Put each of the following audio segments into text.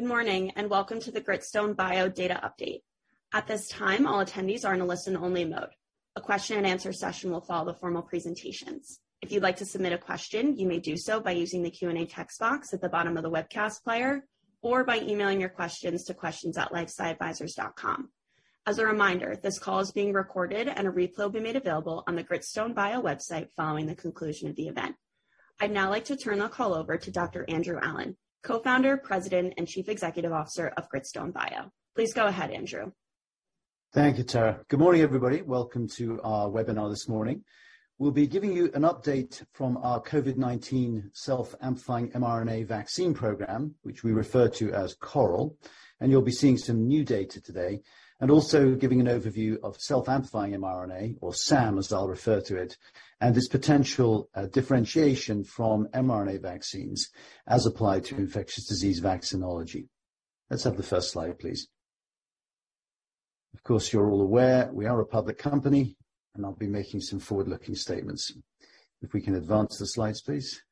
Good morning, and welcome to the Gritstone bio Data Update. At this time, all attendees are in a listen-only mode. A question-and-answer session will follow the formal presentations. If you'd like to submit a question, you may do so by using the Q&A text box at the bottom of the webcast player or by emailing your questions to questions@lifesciadvisors.com. As a reminder, this call is being recorded and a replay will be made available on the Gritstone bio website following the conclusion of the event. I'd now like to turn the call over to Dr. Andrew Allen, Co-founder, President, and Chief Executive Officer of Gritstone bio. Please go ahead, Andrew. Thank you, Tara. Good morning, everybody. Welcome to our webinar this morning. We'll be giving you an update from our COVID-19 self-amplifying mRNA vaccine program, which we refer to as CORAL, and you'll be seeing some new data today. also giving an overview of self-amplifying mRNA or SAM, as I'll refer to it, and its potential differentiation from mRNA vaccines as applied to infectious disease vaccinology. Let's have the first slide, please. Of course, you're all aware we are a public company, and I'll be making some forward-looking statements. If we can advance the slides, please.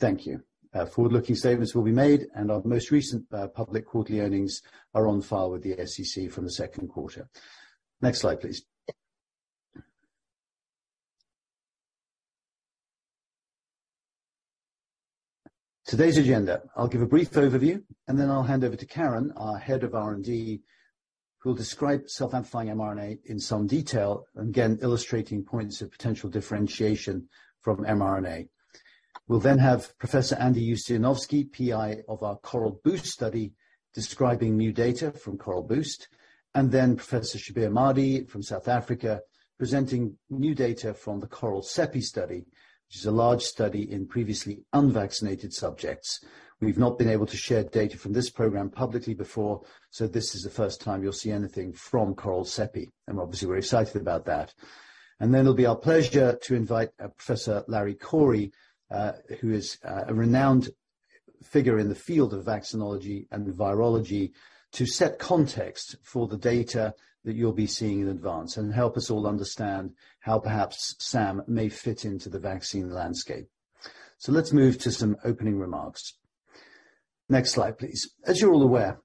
Thank you. Forward-looking statements will be made, and our most recent public quarterly earnings are on file with the SEC from the second quarter. Next slide, please. Today's agenda. I'll give a brief overview and then I'll hand over to Karin, our Head of R&D, who'll describe self-amplifying mRNA in some detail, and again, illustrating points of potential differentiation from mRNA. We'll then have Professor Andy Ustianowski, PI of our CORAL-Boost study, describing new data from CORAL-Boost, and then Professor Shabir Madhi from South Africa, presenting new data from the CORAL-CEPI study, which is a large study in previously unvaccinated subjects. We've not been able to share data from this program publicly before, so this is the first time you'll see anything from CORAL-CEPI, and we're obviously very excited about that. It'll be our pleasure to invite Professor Larry Corey, who is a renowned figure in the field of vaccinology and virology, to set context for the data that you'll be seeing in advance and help us all understand how perhaps SAM may fit into the vaccine landscape. Let's move to some opening remarks. Next slide, please. As you're all aware,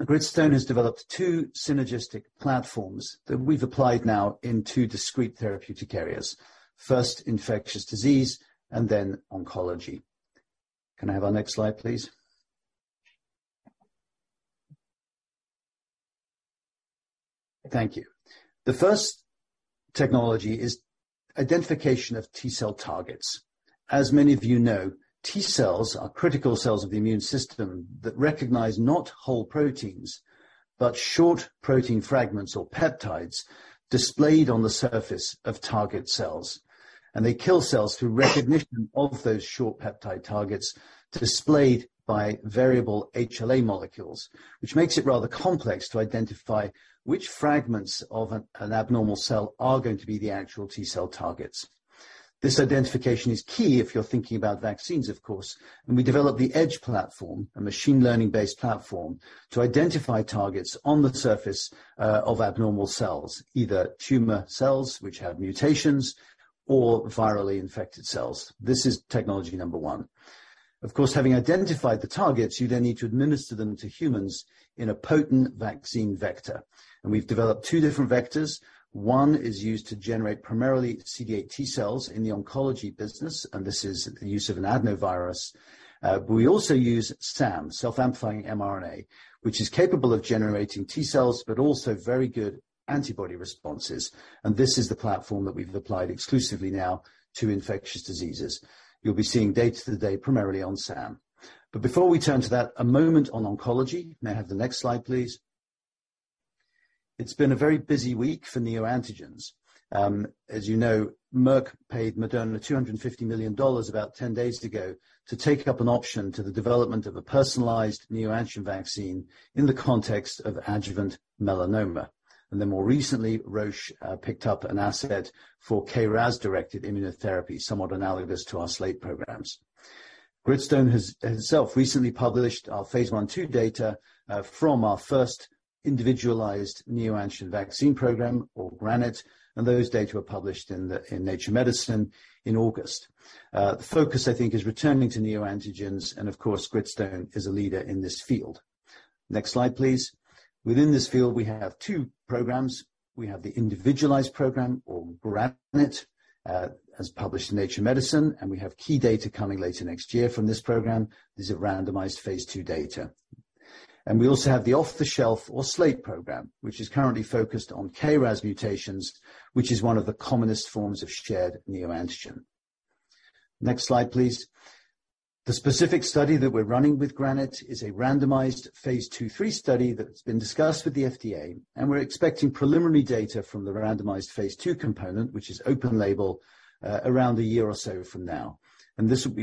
Gritstone has developed two synergistic platforms that we've applied now in two discrete therapeutic areas. First, infectious disease and then oncology. Can I have our next slide, please? Thank you. The first technology is identification of T cell targets. As many of you know, T cells are critical cells of the immune system that recognize not whole proteins, but short protein fragments or peptides displayed on the surface of target cells. They kill cells through recognition of those short peptide targets displayed by variable HLA molecules, which makes it rather complex to identify which fragments of an abnormal cell are going to be the actual T cell targets. This identification is key if you're thinking about vaccines, of course, and we developed the EDGE platform, a machine learning-based platform, to identify targets on the surface of abnormal cells, either tumor cells which have mutations or virally infected cells. This is technology number one. Of course, having identified the targets, you then need to administer them to humans in a potent vaccine vector. We've developed two different vectors. One is used to generate primarily CD8 T cells in the oncology business, and this is the use of an adenovirus. We also use SAM, self-amplifying mRNA, which is capable of generating T cells, but also very good antibody responses, and this is the platform that we've applied exclusively now to infectious diseases. You'll be seeing data today primarily on SAM. Before we turn to that, a moment on oncology. May I have the next slide, please. It's been a very busy week for neoantigens. As you know, Merck paid Moderna $250 million about 10 days ago to take up an option to the development of a personalized neoantigen vaccine in the context of adjuvant melanoma. More recently, Roche picked up an asset for KRAS-directed immunotherapy, somewhat analogous to our SLATE programs. Gritstone has itself recently published our phase I/II data from our first individualized neoantigen vaccine program, or GRANITE, and those data were published in the, in Nature Medicine in August. The focus, I think, is returning to neoantigens and of course, Gritstone is a leader in this field. Next slide, please. Within this field, we have two programs. We have the individualized program or GRANITE, as published in Nature Medicine, and we have key data coming later next year from this program. This is a randomized phase II data. We also have the off-the-shelf or SLATE program, which is currently focused on KRAS mutations, which is one of the commonest forms of shared neoantigen. Next slide, please. The specific study that we're running with GRANITE is a randomized phase II/III study that's been discussed with the FDA, and we're expecting preliminary data from the randomized phase II component, which is open label, around a year or so from now. This will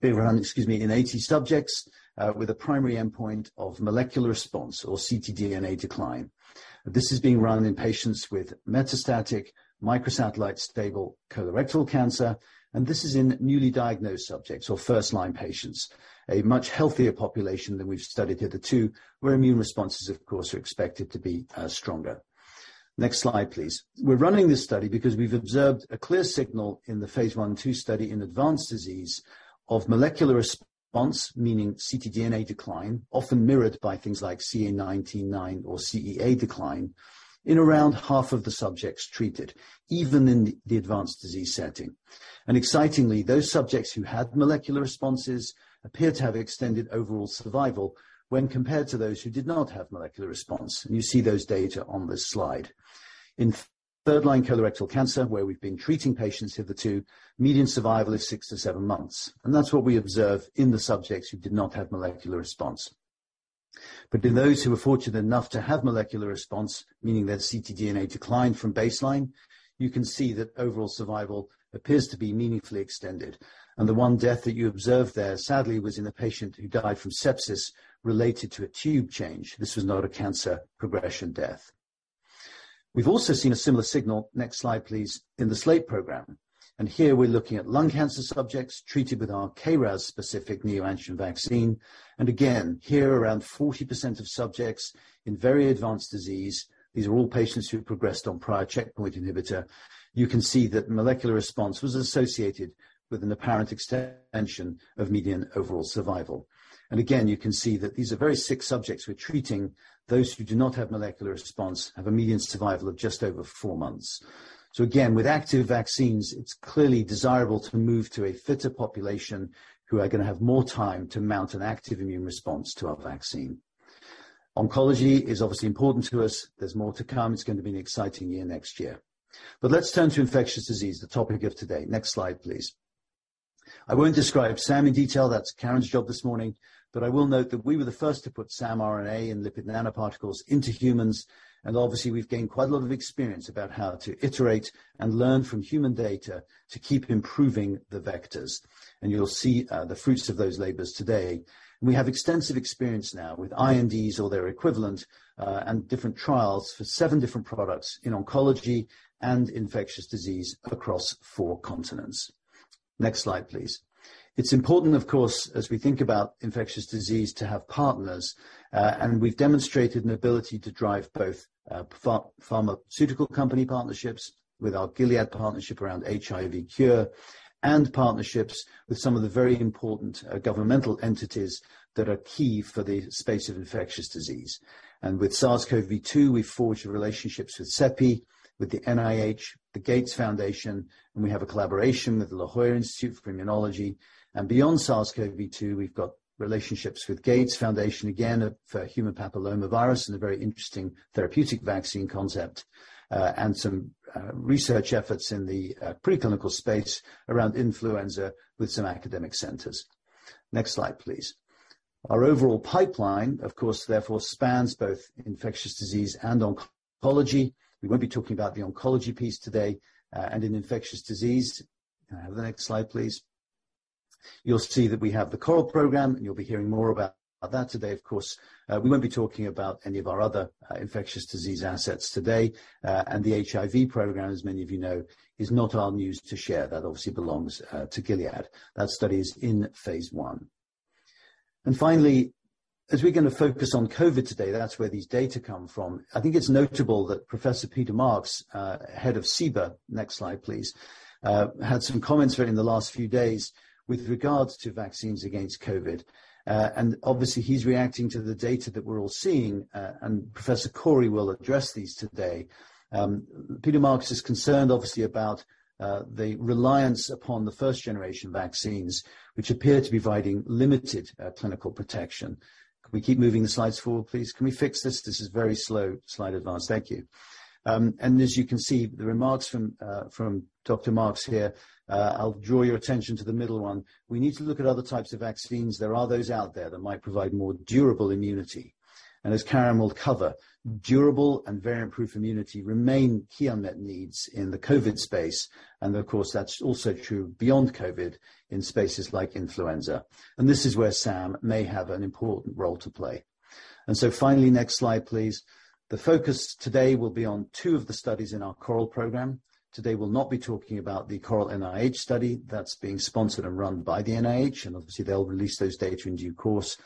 be run in 80 subjects with a primary endpoint of molecular response or ctDNA decline. This is being run in patients with metastatic microsatellite stable colorectal cancer, and this is in newly diagnosed subjects or first-line patients. A much healthier population than we've studied here. The two where immune responses, of course, are expected to be stronger. Next slide, please. We're running this study because we've observed a clear signal in the phase I/II study in advanced disease of molecular response, meaning ctDNA decline, often mirrored by things like CA 19-9 or CEA decline in around half of the subjects treated, even in the advanced disease setting. Excitingly, those subjects who had molecular responses appear to have extended overall survival when compared to those who did not have molecular response. You see those data on this slide. In third-line colorectal cancer, where we've been treating patients with the two, median survival is six-seven months, and that's what we observe in the subjects who did not have molecular response. In those who were fortunate enough to have molecular response, meaning their ctDNA declined from baseline, you can see that overall survival appears to be meaningfully extended. The one death that you observed there, sadly, was in a patient who died from sepsis related to a tube change. This was not a cancer progression death. We've also seen a similar signal. Next slide, please. In the SLATE program, here we're looking at lung cancer subjects treated with our KRAS-specific neoantigen vaccine. Again, here, around 40% of subjects in very advanced disease. These are all patients who progressed on prior checkpoint inhibitor. You can see that molecular response was associated with an apparent extension of median overall survival. Again, you can see that these are very sick subjects we're treating. Those who do not have molecular response have a median survival of just over four months. Again, with active vaccines, it's clearly desirable to move to a fitter population who are gonna have more time to mount an active immune response to our vaccine. Oncology is obviously important to us. There's more to come. It's gonna be an exciting year next year. Let's turn to infectious disease, the topic of today. Next slide, please. I won't describe SAM in detail, that's Karin's job this morning. I will note that we were the first to put samRNA and lipid nanoparticles into humans. And obviously we've gained quite a lot of experience about how to iterate and learn from human data to keep improving the vectors. And you'll see the fruits of those labors today. We have extensive experience now with INDs or their equivalent and different trials for seven different products in oncology and infectious disease across four continents. Next slide, please. It's important, of course, as we think about infectious disease, to have partners. We've demonstrated an ability to drive both pharmaceutical company partnerships with our Gilead partnership around HIV cure, and partnerships with some of the very important governmental entities that are key for the space of infectious disease. With SARS-CoV-2, we've forged relationships with CEPI, with the NIH, the Gates Foundation, and we have a collaboration with the La Jolla Institute for Immunology. Beyond SARS-CoV-2, we've got relationships with Gates Foundation again for human papillomavirus and a very interesting therapeutic vaccine concept, and some research efforts in the preclinical space around influenza with some academic centers. Next slide, please. Our overall pipeline, of course, therefore spans both infectious disease and oncology. We won't be talking about the oncology piece today. In infectious disease. Can I have the next slide, please? You'll see that we have the CORAL program, and you'll be hearing more about that today. Of course, we won't be talking about any of our other infectious disease assets today. The HIV program, as many of you know, is not our news to share. That obviously belongs to Gilead. That study is in phase I. Finally, as we're gonna focus on COVID today, that's where these data come from. I think it's notable that Professor Peter Marks, Head of CBER, next slide, please, had some comments made in the last few days with regards to vaccines against COVID. Obviously he's reacting to the data that we're all seeing. Professor Corey will address these today. Peter Marks is concerned, obviously, about the reliance upon the first generation vaccines, which appear to be providing limited clinical protection. Can we keep moving the slides forward, please? Can we fix this? This is very slow slide advance. Thank you. As you can see, the remarks from Dr. Marks here, I'll draw your attention to the middle one. We need to look at other types of vaccines. There are those out there that might provide more durable immunity. As Karin will cover, durable and variant-proof immunity remain key unmet needs in the COVID space. Of course, that's also true beyond COVID in spaces like influenza. This is where SAM may have an important role to play. Finally, next slide, please. The focus today will be on two of the studies in our CORAL program. Today, we'll not be talking about the CORAL-NIH study that's being sponsored and run by the NIH, and obviously they'll release those data in due course.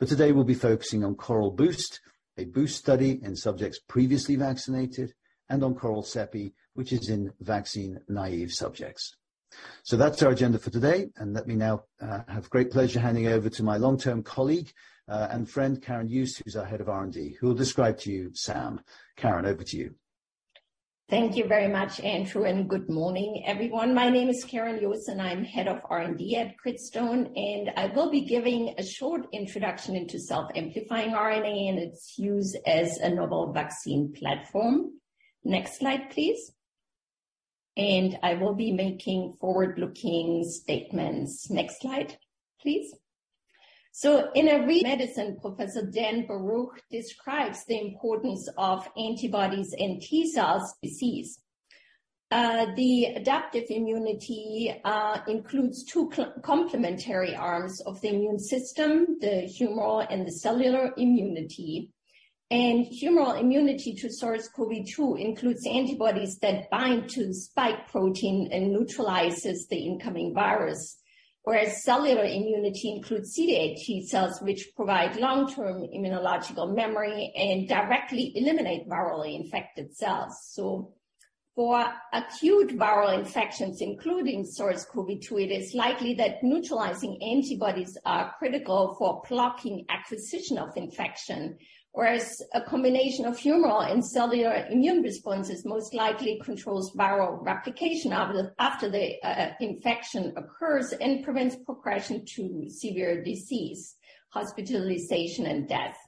Today we'll be focusing on CORAL-BOOST, a boost study in subjects previously vaccinated, and on CORAL-CEPI, which is in vaccine-naïve subjects. That's our agenda for today, and let me now have great pleasure handing over to my long-term colleague and friend, Karin Jooss, who's our Head of R&D, who will describe to you SAM. Karin, over to you. Thank you very much, Andrew, and good morning, everyone. My name is Karin Jooss, and I'm Head of R&D at Gritstone, and I will be giving a short introduction into self-amplifying RNA and its use as a novel vaccine platform. Next slide, please. I will be making forward-looking statements. Next slide, please. In Nature Medicine, Professor Dan Barouch describes the importance of antibodies and T cells in disease. The adaptive immunity includes two complementary arms of the immune system, the humoral and the cellular immunity. Humoral immunity to SARS-CoV-2 includes antibodies that bind to the spike protein and neutralizes the incoming virus. Whereas cellular immunity includes CD8 T cells, which provide long-term immunological memory and directly eliminate virally infected cells. For acute viral infections, including SARS-CoV-2, it is likely that neutralizing antibodies are critical for blocking acquisition of infection. Whereas a combination of humoral and cellular immune responses most likely controls viral replication after the infection occurs and prevents progression to severe disease, hospitalization, and death.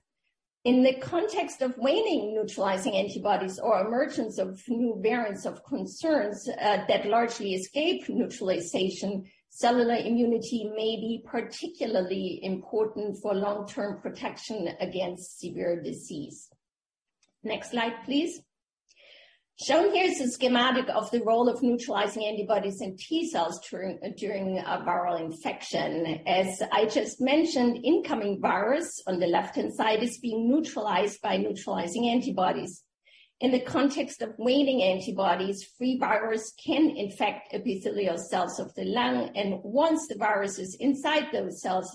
In the context of waning neutralizing antibodies or emergence of new variants of concerns that largely escape neutralization, cellular immunity may be particularly important for long-term protection against severe disease. Next slide, please. Shown here is a schematic of the role of neutralizing antibodies and T cells during a viral infection. As I just mentioned, incoming virus on the left-hand side is being neutralized by neutralizing antibodies. In the context of waning antibodies, free virus can infect epithelial cells of the lung, and once the virus is inside those cells,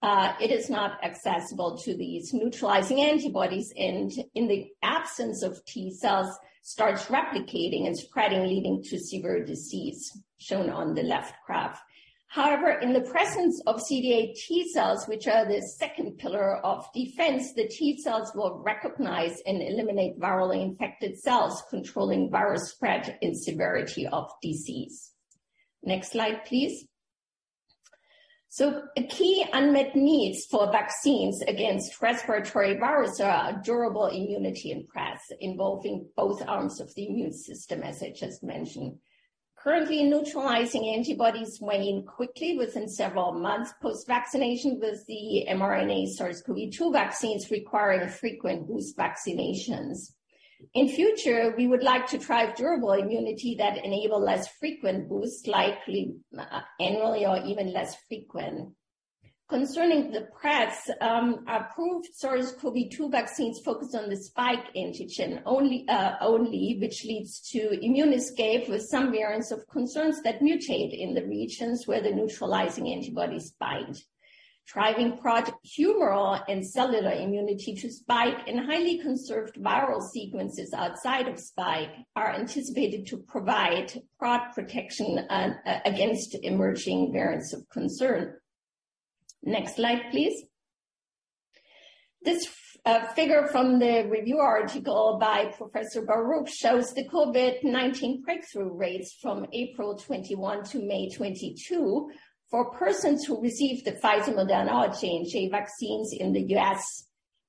it is not accessible to these neutralizing antibodies, and in the absence of T cells, starts replicating and spreading, leading to severe disease, shown on the left graph. However, in the presence of CD8 T cells, which are the second pillar of defense, the T cells will recognize and eliminate virally infected cells, controlling virus spread and severity of disease. Next slide, please. A key unmet needs for vaccines against respiratory virus are durable immunity and breadth involving both arms of the immune system, as I just mentioned. Currently, neutralizing antibodies wane quickly within several months post-vaccination with the mRNA SARS-CoV-2 vaccines requiring frequent boost vaccinations. In future, we would like to try durable immunity that enable less frequent boost, likely annually or even less frequent. Concerning the breadth, approved SARS-CoV-2 vaccines focus on the spike antigen only which leads to immune escape with some variants of concern that mutate in the regions where the neutralizing antibodies bind. Driving broad humoral and cellular immunity to spike and highly conserved viral sequences outside of spike are anticipated to provide broad protection against emerging variants of concern. Next slide, please. This figure from the review article by Professor Barouch shows the COVID-19 breakthrough rates from April 2021 to May 2022 for persons who received the Pfizer-Moderna mRNA vaccines in the U.S.,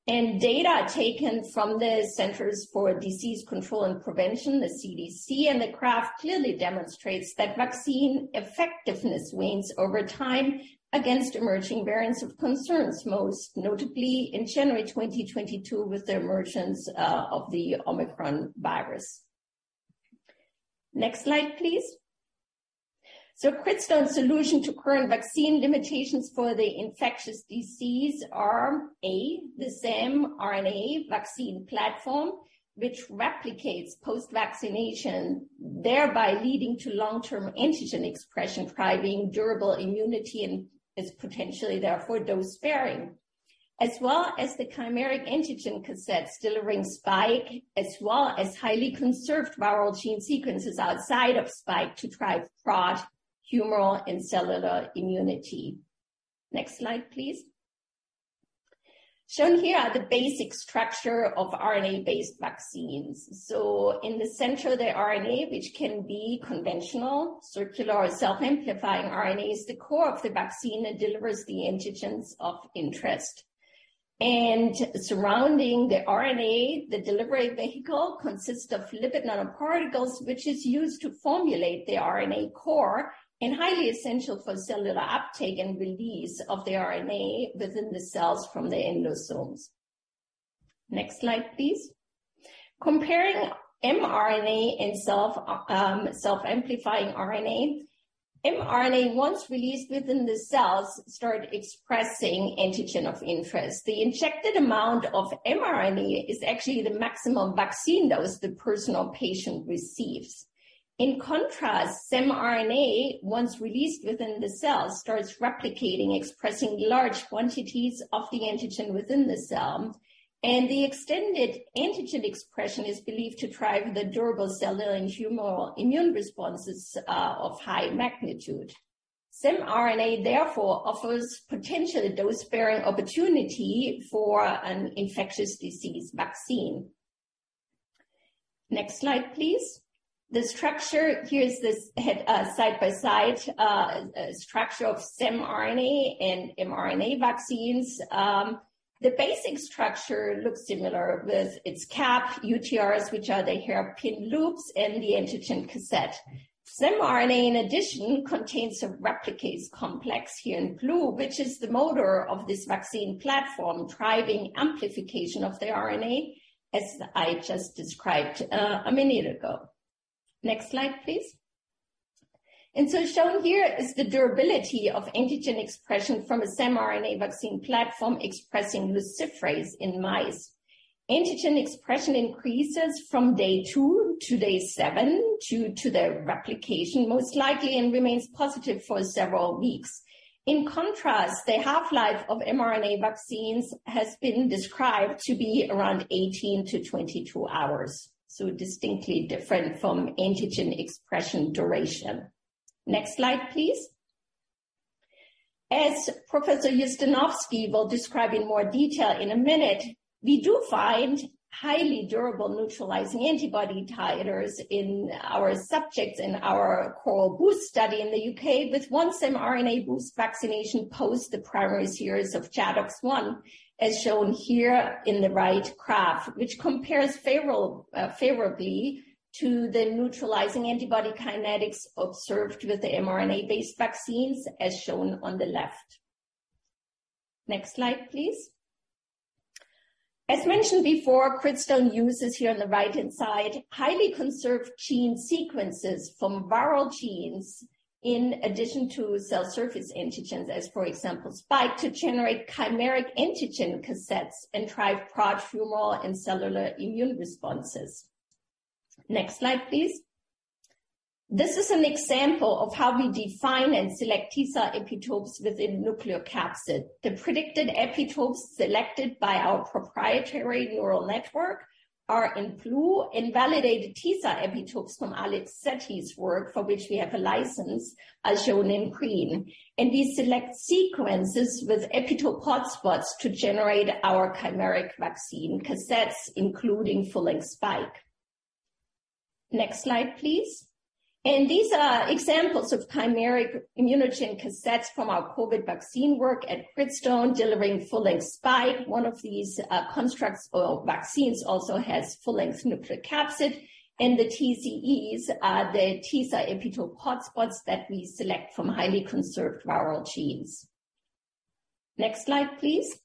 and data taken from the Centers for Disease Control and Prevention, the CDC, and the graph clearly demonstrates that vaccine effectiveness wanes over time against emerging variants of concerns, most notably in January 2022 with the emergence of the Omicron virus. Next slide, please. A cornerstone solution to current vaccine limitations for the infectious disease is the samRNA vaccine platform, which replicates post-vaccination, thereby leading to long-term antigen expression, driving durable immunity, and is potentially therefore dose sparing, as well as the chimeric antigen cassette delivering Spike, as well as highly conserved viral gene sequences outside of Spike to drive broad humoral and cellular immunity. Next slide, please. Shown here are the basic structure of RNA-based vaccines. In the center, the RNA, which can be conventional, circular, or self-amplifying RNA, is the core of the vaccine that delivers the antigens of interest. Surrounding the RNA, the delivery vehicle consists of lipid nanoparticles, which is used to formulate the RNA core and highly essential for cellular uptake and release of the RNA within the cells from the endosomes. Next slide, please. Comparing mRNA and self-amplifying RNA. mRNA, once released within the cells, start expressing antigen of interest. The injected amount of mRNA is actually the maximum vaccine dose the personal patient receives. In contrast, samRNA, once released within the cell, starts replicating, expressing large quantities of the antigen within the cell, and the extended antigen expression is believed to drive the durable cellular and humoral immune responses of high magnitude. samRNA, therefore, offers potential dose-sparing opportunity for an infectious disease vaccine. Next slide, please. The structure. Here's the side-by-side structure of samRNA and mRNA vaccines. The basic structure looks similar with its cap, UTRs, which are the hairpin loops, and the antigen cassette. samRNA, in addition, contains a replicase complex here in blue, which is the motor of this vaccine platform, driving amplification of the RNA, as I just described a minute ago. Next slide, please. Shown here is the durability of antigen expression from a mRNA vaccine platform expressing luciferase in mice. Antigen expression increases from day two to day seven due to the replication most likely, and remains positive for several weeks. In contrast, the half-life of mRNA vaccines has been described to be around 18 -22 hours, so distinctly different from antigen expression duration. Next slide, please. As Professor Ustianowski will describe in more detail in a minute, we do find highly durable neutralizing antibody titers in our subjects in our CORAL-BOOST study in the U.K. with one mRNA boost vaccination post the primary series of ChAdOx1, as shown here in the right graph, which compares favorably to the neutralizing antibody kinetics observed with the mRNA-based vaccines, as shown on the left. Next slide, please. As mentioned before, Gritstone uses here on the right-hand side, highly conserved gene sequences from viral genes in addition to cell surface antigens as, for example, Spike, to generate chimeric antigen cassettes and drive broad humoral and cellular immune responses. Next slide, please. This is an example of how we define and select T cell epitopes within nucleocapsid. The predicted epitopes selected by our proprietary neural network are in blue and validated T cell epitopes from Alex Sette's work, for which we have a license, as shown in green. We select sequences with epitope hotspots to generate our chimeric vaccine cassettes, including full-length Spike. Next slide, please. These are examples of chimeric immunogen cassettes from our COVID vaccine work at Gritstone delivering full-length Spike. One of these constructs or vaccines also has full-length nucleocapsid, and the TCEs are the T cell epitope hotspots that we select from highly conserved viral genes. Next slide, please.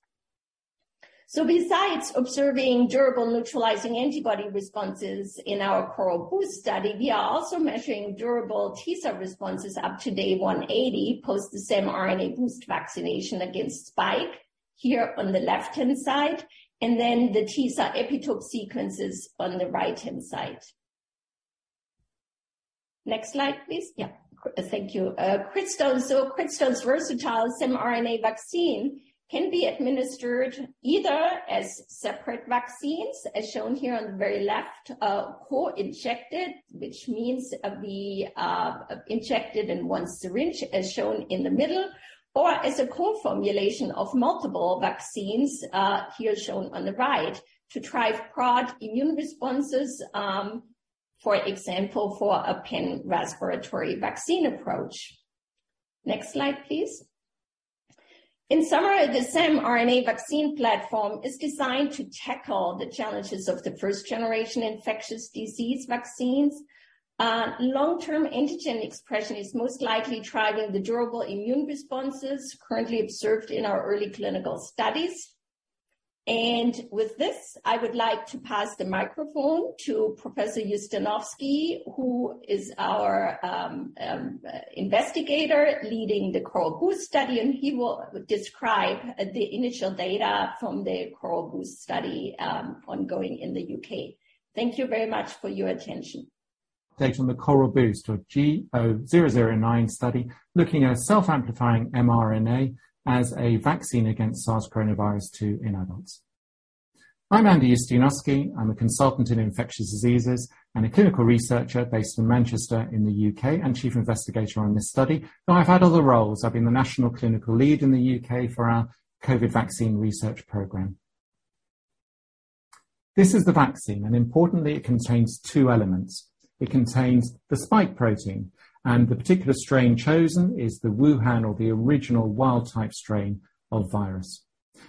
Besides observing durable neutralizing antibody responses in our CORAL-BOOST study, we are also measuring durable T cell responses up to day 180 post the samRNA boost vaccination against Spike here on the left-hand side, and then the T cell epitope sequences on the right-hand side. Next slide, please. Gritstone's versatile mRNA vaccine can be administered either as separate vaccines, as shown here on the very left, co-injected, which means we injected in one syringe, as shown in the middle, or as a co-formulation of multiple vaccines, here shown on the right, to drive broad immune responses, for example, for a pan-respiratory vaccine approach. Next slide, please. In summary, the same RNA vaccine platform is designed to tackle the challenges of the first-generation infectious disease vaccines. Long-term antigen expression is most likely driving the durable immune responses currently observed in our early clinical studies. With this, I would like to pass the microphone to Professor Ustianowski, who is our investigator leading the CORAL-Boost study, and he will describe the initial data from the CORAL-Boost study, ongoing in the U.K. Thank you very much for your attention. Data on the CORAL-BOOST GO-009 study, looking at a self-amplifying mRNA as a vaccine against SARS-CoV-2 in adults. I'm Andy Ustianowski. I'm a consultant in infectious diseases and a clinical researcher based in Manchester in the U.K., and chief investigator on this study, but I've had other roles. I've been the national clinical lead in the U.K. for our COVID vaccine research program. This is the vaccine, and importantly, it contains two elements. It contains the spike protein, and the particular strain chosen is the Wuhan or the original wild type strain of virus.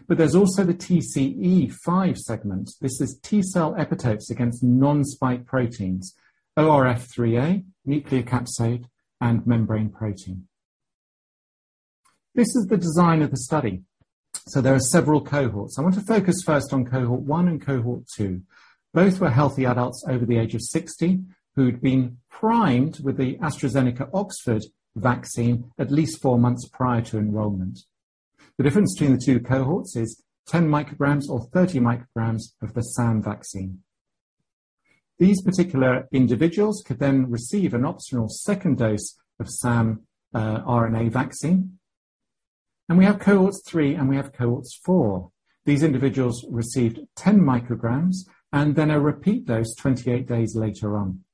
But there's also the TCE5 segment. This is T cell epitopes against non-spike proteins, ORF3a, nucleocapsid, and membrane protein. This is the design of the study. There are several cohorts. I want to focus first on cohort one and cohort two. Both were healthy adults over the age of 60 who'd been primed with the Oxford-AstraZeneca vaccine at least four months prior to enrollment. The difference between the two cohorts is 10 mcgs or 30 mcgs of the samRNA vaccine. These particular individuals could then receive an optional second dose of samRNA vaccine. We have Cohorts 3, and we have Cohorts 4. These individuals received 10 mcg and then a repeat dose 28 days later on.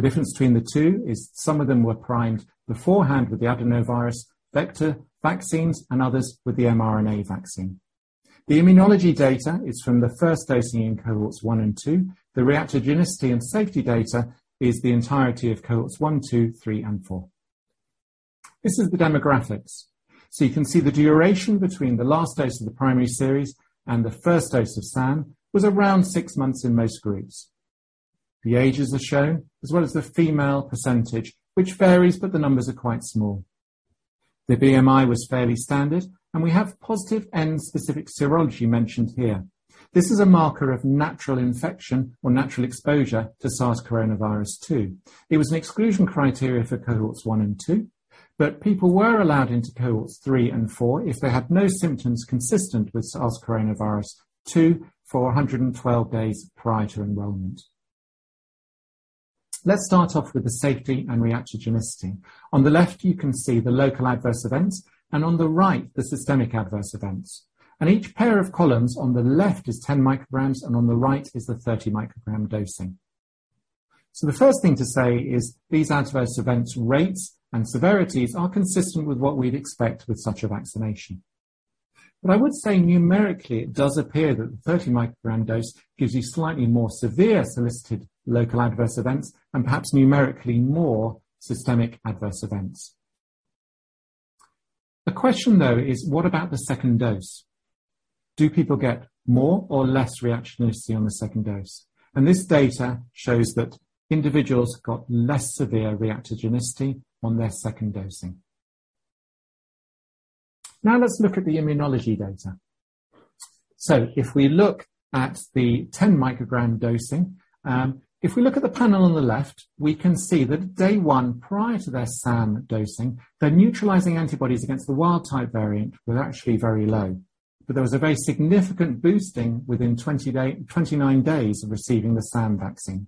The difference between the two is some of them were primed beforehand with the adenovirus vector vaccines and others with the mRNA vaccine. The immunology data is from the first dosing in Cohorts 1 and 2. The reactogenicity and safety data is the entirety of Cohorts 1, 2, 3, and 4. This is the demographics. You can see the duration between the last dose of the primary series and the first dose of SAM was around six months in most groups. The ages are shown, as well as the female percentage, which varies, but the numbers are quite small. The BMI was fairly standard, and we have positive anti-N specific serology mentioned here. This is a marker of natural infection or natural exposure to SARS-CoV-2. It was an exclusion criteria for Cohorts 1 and 2, but people were allowed into Cohorts 3 and 4 if they had no symptoms consistent with SARS-CoV-2 for 112 days prior to enrollment. Let's start off with the safety and reactogenicity. On the left, you can see the local adverse events, and on the right, the systemic adverse events. Each pair of columns on the left is 10 mcgs, and on the right is the 30-mcg dosing. The first thing to say is these adverse events, rates, and severities are consistent with what we'd expect with such a vaccination. I would say numerically, it does appear that the 30-mcg dose gives you slightly more severe solicited local adverse events and perhaps numerically more systemic adverse events. The question, though, is: What about the second dose? Do people get more or less reactogenicity on the second dose? This data shows that individuals got less severe reactogenicity on their second dosing. Now, let's look at the immunology data. If we look at the 10 mcg dosing, if we look at the panel on the left, we can see that day one, prior to their SAM dosing, their neutralizing antibodies against the wild type variant were actually very low. There was a very significant boosting within 29 days of receiving the SAM vaccine.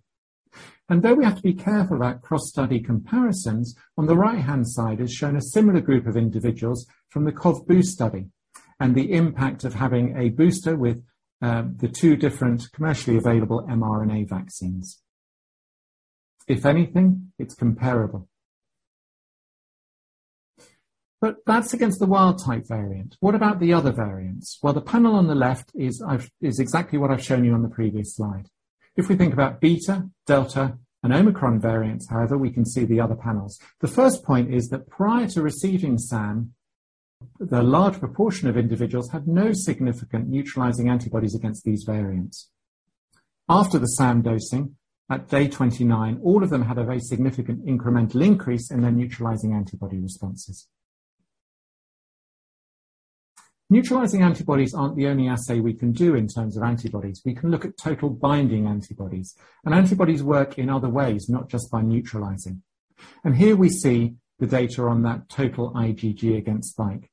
Though we have to be careful about cross-study comparisons, on the right-hand side, it's shown a similar group of individuals from the COV-BOOST study and the impact of having a booster with the two different commercially available mRNA vaccines. If anything, it's comparable. That's against the wild type variant. What about the other variants? Well, the panel on the left is exactly what I've shown you on the previous slide. If we think about Beta, Delta, and Omicron variants, however, we can see the other panels. The first point is that prior to receiving SAM, the large proportion of individuals had no significant neutralizing antibodies against these variants. After the SAM dosing, at day 29, all of them had a very significant incremental increase in their neutralizing antibody responses. Neutralizing antibodies aren't the only assay we can do in terms of antibodies. We can look at total binding antibodies. Antibodies work in other ways, not just by neutralizing. Here we see the data on that total IgG against spike.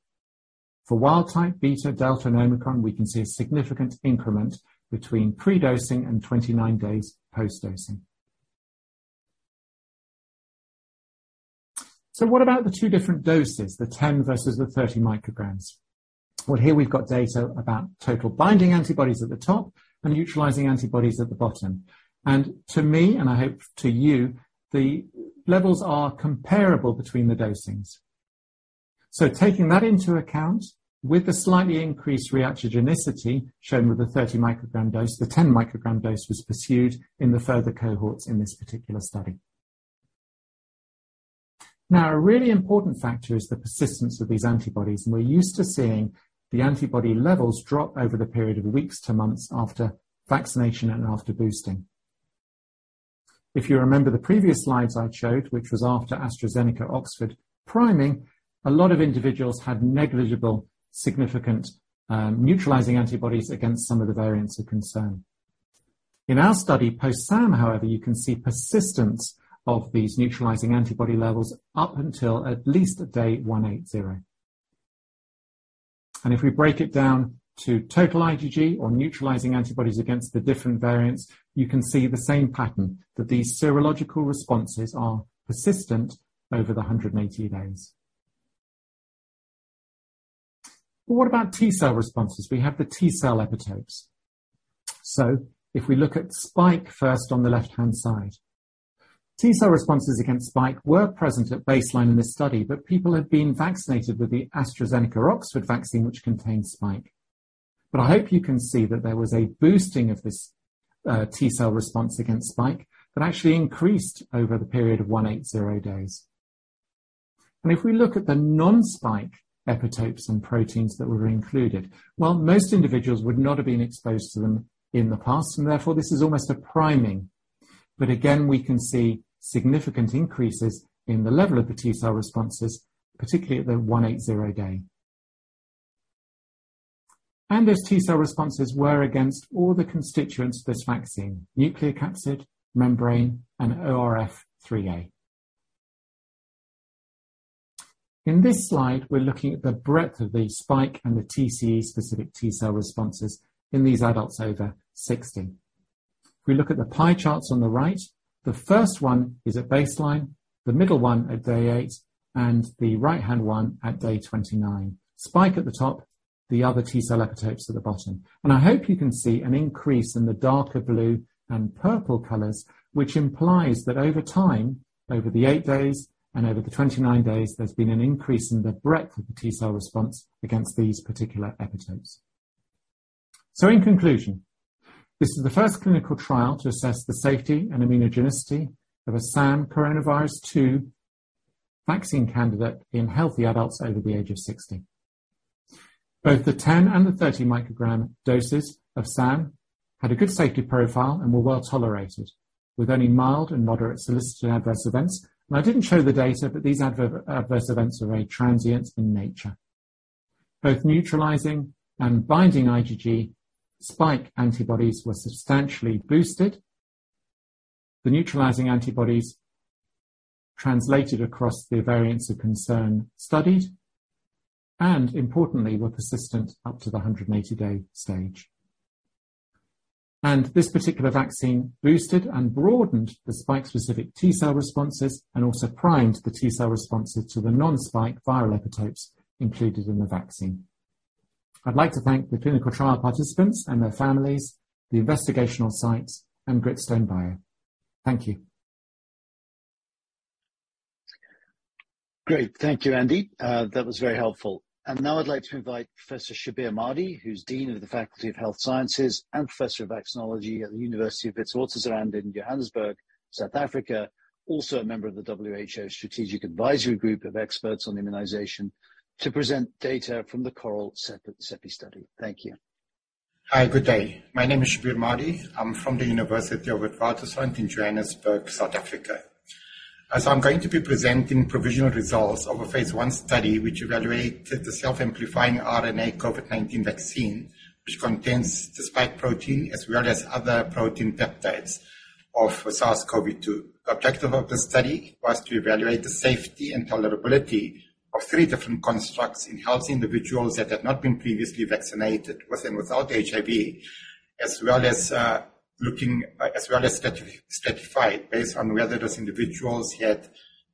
For wild type, Beta, Delta, and Omicron, we can see a significant increment between predosing and 29 days post-dosing. What about the two different doses, the 10 mcg versus the 30 mcg? Well, here we've got data about total binding antibodies at the top and neutralizing antibodies at the bottom. To me, and I hope to you, the levels are comparable between the dosings. Taking that into account with the slightly increased reactogenicity shown with the 30 mcg dose, the 10 mcg dose was pursued in the further cohorts in this particular study. Now, a really important factor is the persistence of these antibodies, and we're used to seeing the antibody levels drop over the period of weeks to months after vaccination and after boosting. If you remember the previous slides I showed, which was after AstraZeneca/Oxford priming, a lot of individuals had negligible significant neutralizing antibodies against some of the variants of concern. In our study post-SAM, however, you can see persistence of these neutralizing antibody levels up until at least day 180. If we break it down to total IgG or neutralizing antibodies against the different variants, you can see the same pattern that these serological responses are persistent over the 180 days. What about T cell responses? We have the T cell epitopes. If we look at spike first on the left-hand side. T cell responses against spike were present at baseline in this study, but people had been vaccinated with the AstraZeneca vaccine, which contains spike. I hope you can see that there was a boosting of this T cell response against spike that actually increased over the period of 180 days. If we look at the non-spike epitopes and proteins that were included, while most individuals would not have been exposed to them in the past, and therefore this is almost a priming. Again, we can see significant increases in the level of the T cell responses, particularly at the 180 day. Those T cell responses were against all the constituents of this vaccine, nucleocapsid, membrane, and ORF3a. In this slide, we're looking at the breadth of the spike and the TCE specific T-cell responses in these adults over 60. If we look at the pie charts on the right, the first one is at baseline, the middle one at day eight, and the right-hand one at day 29. Spike at the top, the other T-cell epitopes at the bottom. I hope you can see an increase in the darker blue and purple colors, which implies that over time, over the eight days and over the 29 days, there's been an increase in the breadth of the T-cell response against these particular epitopes. In conclusion, this is the first clinical trial to assess the safety and immunogenicity of a SAM SARS-CoV-2 vaccine candidate in healthy adults over the age of 60. Both the 10-mcg and 30-mcg doses of SAM had a good safety profile and were well tolerated, with only mild and moderate solicited adverse events. I didn't show the data, but these adverse events were very transient in nature. Both neutralizing and binding IgG spike antibodies were substantially boosted. The neutralizing antibodies translated across the variants of concern studied and importantly, were persistent up to the 180-day stage. This particular vaccine boosted and broadened the spike-specific T cell responses and also primed the T cell responses to the non-spike viral epitopes included in the vaccine. I'd like to thank the clinical trial participants and their families, the investigational sites, and Gritstone bio. Thank you. Great. Thank you, Andy. That was very helpful. Now I'd like to invite Professor Shabir Madhi, who's Dean of the Faculty of Health Sciences and Professor of Vaccinology at the University of the Witwatersrand in Johannesburg, South Africa, also a member of the WHO Strategic Advisory Group of Experts on Immunization, to present data from the CORAL-CEPI study. Thank you. Hi. Good day. My name is Shabir Madhi. I'm from the University of the Witwatersrand in Johannesburg, South Africa. I'm going to be presenting provisional results of a phase I study which evaluated the self-amplifying RNA COVID-19 vaccine, which contains the spike protein as well as other protein peptides of SARS-CoV-2. The objective of the study was to evaluate the safety and tolerability of three different constructs in healthy individuals that had not been previously vaccinated, with and without HIV, as well as stratified based on whether those individuals had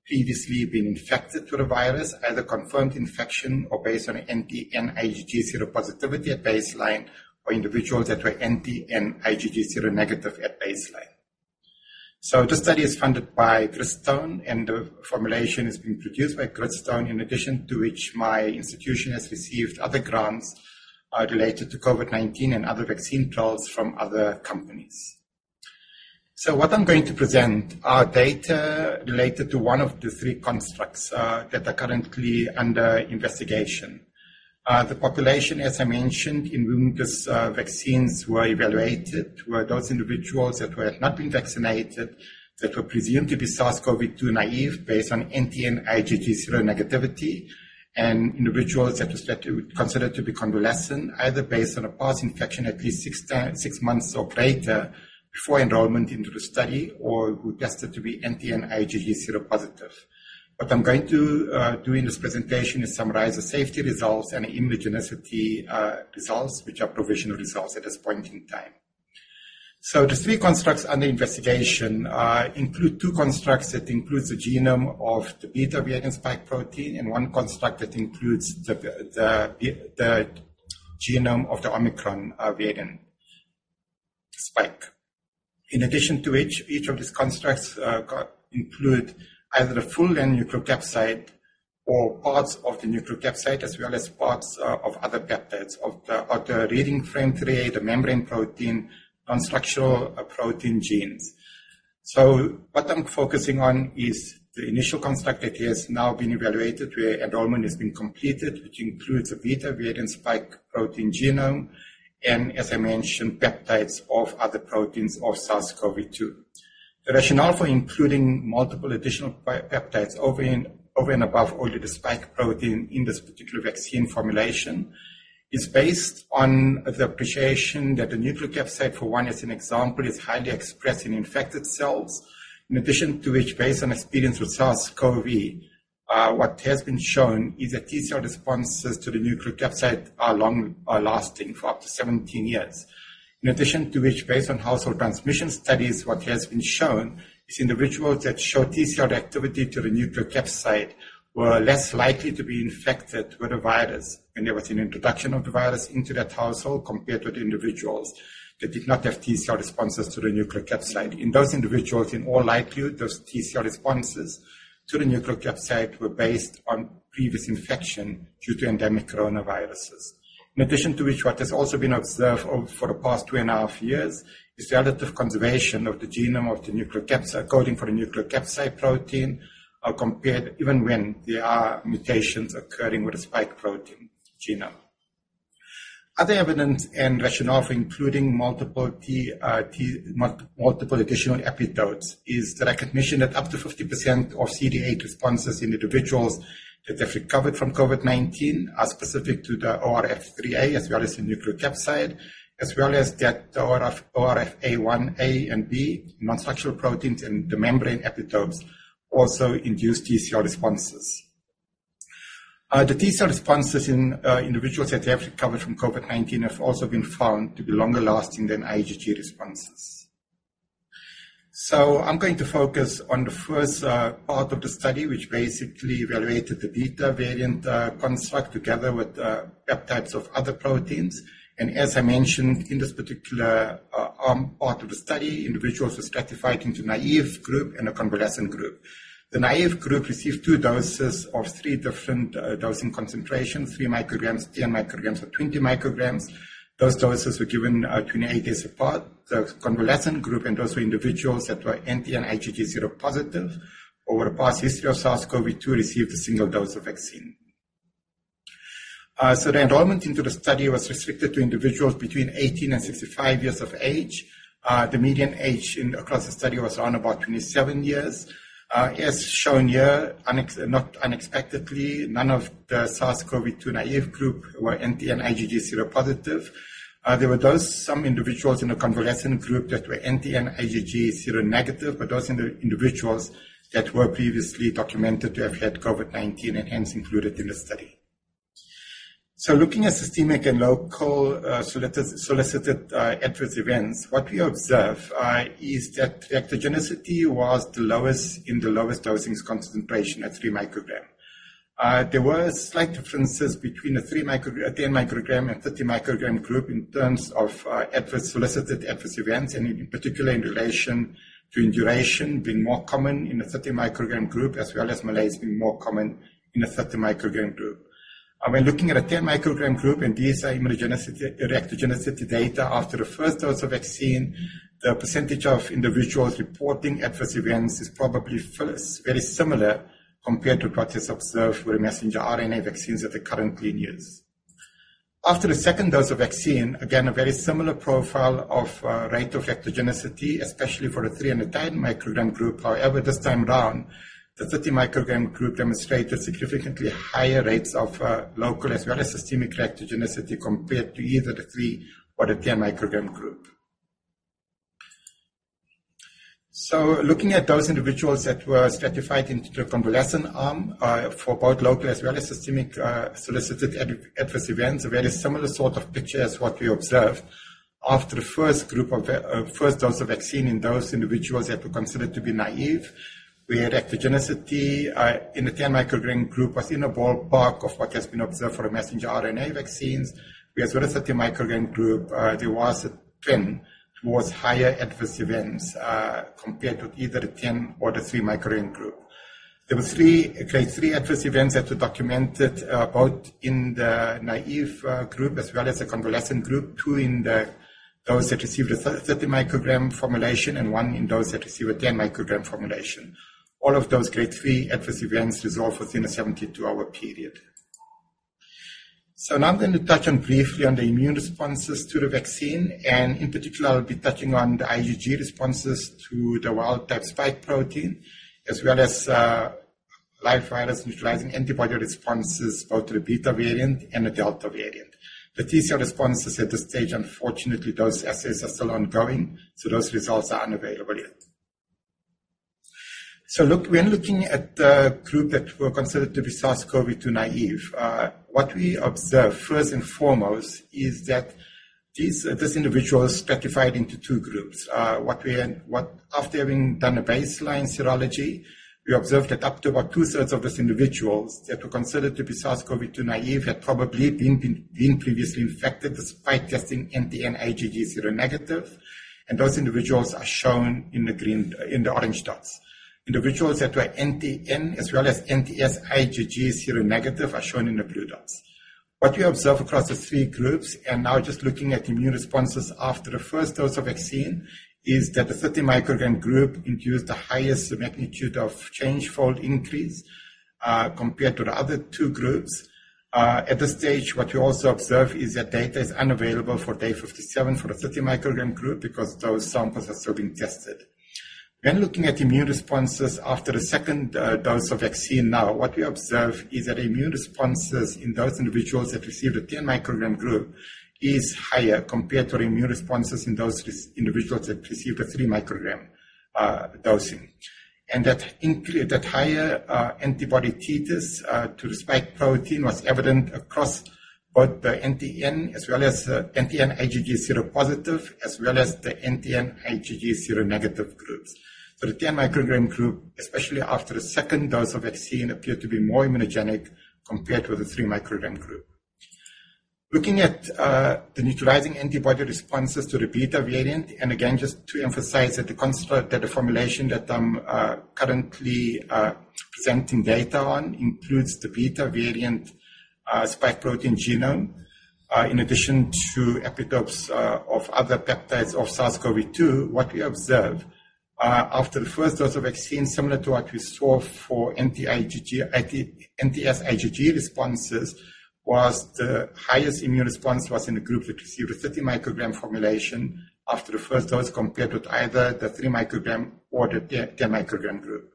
previously been infected through the virus as a confirmed infection or based on anti-N IgG seropositivity at baseline, or individuals that were anti-N IgG seronegative at baseline. This study is funded by Gritstone, and the formulation has been produced by Gritstone, in addition to which my institution has received other grants, related to COVID-19 and other vaccine trials from other companies. What I'm going to present are data related to one of the three constructs, that are currently under investigation. The population, as I mentioned, in whom these, vaccines were evaluated, were those individuals that had not been vaccinated, that were presumed to be SARS-CoV-2 naïve based on anti-N IgG seronegativity, and individuals that were considered to be convalescent, either based on a past infection at least six months or greater before enrollment into the study, or who tested to be anti-N IgG seropositive. What I'm going to do in this presentation is summarize the safety results and immunogenicity results, which are provisional results at this point in time. The three constructs under investigation include two constructs that includes the genome of the Beta variant spike protein and one construct that includes the genome of the Omicron variant spike. In addition to which each of these constructs include either the full length nucleocapsid or parts of the nucleocapsid, as well as parts of other peptides of the reading frame three, the membrane protein, non-structural protein genes. What I'm focusing on is the initial construct that has now been evaluated, where enrollment has been completed, which includes a Beta variant spike protein genome, and as I mentioned, peptides of other proteins of SARS-CoV-2. The rationale for including multiple additional peptides over and above only the spike protein in this particular vaccine formulation is based on the appreciation that the nucleocapsid, for one as an example, is highly expressed in infected cells. In addition to which, based on experience with SARS-CoV, what has been shown is that T cell responses to the nucleocapsid are long-lasting for up to 17 years. In addition to which, based on household transmission studies, what has been shown is individuals that showed T cell activity to the nucleocapsid were less likely to be infected with the virus when there was an introduction of the virus into that household compared with individuals that did not have T cell responses to the nucleocapsid. In those individuals, in all likelihood, those T cell responses to the nucleocapsid were based on previous infection due to endemic coronaviruses. In addition to which, what has also been observed over the past 2.5 years is the relative conservation of the genome of the nucleocapsid, coding for the nucleocapsid protein, compared even when there are mutations occurring with the spike protein genome. Other evidence and rationale for including multiple T multiple additional epitopes is the recognition that up to 50% of CD8 responses in individuals that have recovered from COVID-19 are specific to the ORF3a as well as the nucleocapsid, as well as the ORF1a and ORF1b non-structural proteins and the membrane epitopes also induce TCR responses. The T cell responses in individuals that have recovered from COVID-19 have also been found to be longer-lasting than IgG responses. I'm going to focus on the first part of the study, which basically evaluated the Beta variant construct together with peptides of other proteins. As I mentioned, in this particular part of the study, individuals were stratified into naïve group and a convalescent group. The naïve group received two doses of three different dosing concentrations, 3 mcg, 10 mcg, or 20 mcg. Those doses were given 28 days apart. The convalescent group, and those were individuals that were anti-N IgG seropositive with a past history of SARS-CoV-2, received a single dose of vaccine. The enrollment into the study was restricted to individuals between 18 and 65 years of age. The median age across the study was around about 27 years. As shown here, not unexpectedly, none of the SARS-CoV-2 naïve group were anti-N IgG seropositive. There were some individuals in the convalescent group that were anti-N IgG seronegative, but those individuals that were previously documented to have had COVID-19 and hence included in the study. Looking at systemic and local, solicited, adverse events, what we observe is that reactogenicity was the lowest in the lowest dosing concentration at 3 mcg. There were slight differences between the 3 mcg, 10 mcg and 30 mcg group in terms of, solicited adverse events, and in particular in relation to induration being more common in the 30 mcg group, as well as malaise being more common in the 30 mcg group. When looking at the 10 mcg group in the immunogenicity and reactogenicity data after the first dose of vaccine, the percentage of individuals reporting adverse events is probably first very similar compared to what is observed with messenger RNA vaccines that are currently in use. After the second dose of vaccine, again, a very similar profile of rate of reactogenicity, especially for the 3 and the 10 mcg group. However, this time around, the 30 mcg group demonstrated significantly higher rates of local as well as systemic reactogenicity compared to either the 3 mcg or the 10 mcg group. Looking at those individuals that were stratified into the convalescent arm, for both local as well as systemic, solicited adverse events, a very similar sort of picture as what we observed. After the first dose of vaccine in those individuals that were considered to be naïve, we had reactogenicity in the 10 mcg group was in a ballpark of what has been observed for messenger RNA vaccines, whereas for the 30 mcg group, there was a trend towards higher adverse events compared to either the 10 mcg or the 3 mcg group. There were three grade three adverse events that were documented both in the naïve group as well as the convalescent group. Two in those that received a 30 mcg formulation and one in those that received a 10 mcg formulation. All of those grade three adverse events resolved within a 72-hour period. Now I'm going to touch on briefly on the immune responses to the vaccine, and in particular I'll be touching on the IgG responses to the wild type spike protein as well as live virus-neutralizing antibody responses, both to the Beta variant and the Delta variant. The T cell responses at this stage, unfortunately, those assays are still ongoing, so those results are unavailable yet. Look, when looking at the group that were considered to be SARS-CoV-2 naïve, what we observed first and foremost is that these individuals stratified into two groups. After having done a baseline serology, we observed that up to about two-thirds of these individuals that were considered to be SARS-CoV-2 naïve had probably been previously infected despite testing anti-N IgG seronegative, and those individuals are shown in the orange dots. Individuals that were anti-N as well as anti-S IgG seronegative are shown in the blue dots. What we observe across the three groups, and now just looking at immune responses after the first dose of vaccine, is that the 30 mcg group induced the highest magnitude of change fold increase, compared to the other two groups. At this stage, what we also observe is that data is unavailable for day 57 for the 30 mcg group because those samples are still being tested. When looking at immune responses after a second dose of vaccine now, what we observe is that immune responses in those individuals that received a 10 mcg group is higher compared to immune responses in those individuals that received a 3 mcg dosing. That higher antibody titers to the spike protein was evident across both the anti-N as well as anti-N IgG seropositive, as well as the anti-N IgG seronegative groups. The 10 mcg group, especially after the second dose of vaccine, appeared to be more immunogenic compared with the 3 mcg group. Looking at the neutralizing antibody responses to the Beta variant, and again, just to emphasize that the formulation that I'm currently presenting data on includes the Beta variant spike protein genome in addition to epitopes of other peptides of SARS-CoV-2. What we observed after the first dose of vaccine, similar to what we saw for anti-N IgG anti-S IgG responses, was the highest immune response was in the group that received a 30 mcg formulation after the first dose, compared with either the 3 mcg or the 10 mcg group.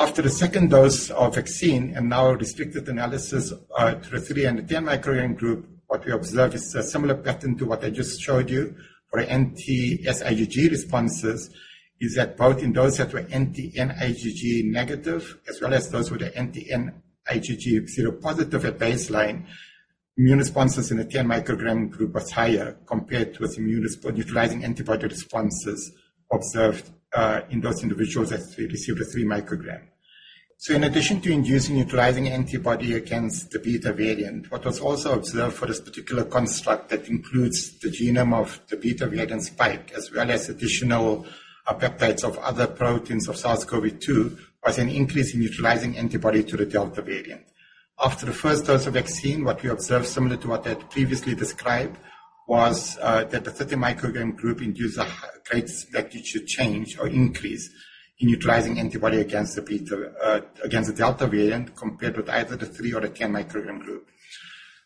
After the second dose of vaccine and now a restricted analysis to the 3 mcg and the 10 mcg group, what we observed is a similar pattern to what I just showed you for anti-S IgG responses, is that both in those that were anti-N IgG negative as well as those with the anti-N IgG seropositive at baseline, immune responses in the 10 mcg group was higher compared with utilizing antibody responses observed in those individuals that received a 3 mcg. In addition to inducing neutralizing antibody against the Beta variant, what was also observed for this particular construct that includes the genome of the Beta variant spike, as well as additional peptides of other proteins of SARS-CoV-2, was an increase in neutralizing antibody to the Delta variant. After the first dose of vaccine, what we observed, similar to what I had previously described, was that the 30 mcg group induced a high GMT increase in neutralizing antibody against the Delta variant, compared with either the 3 mcg or the 10 mcg group.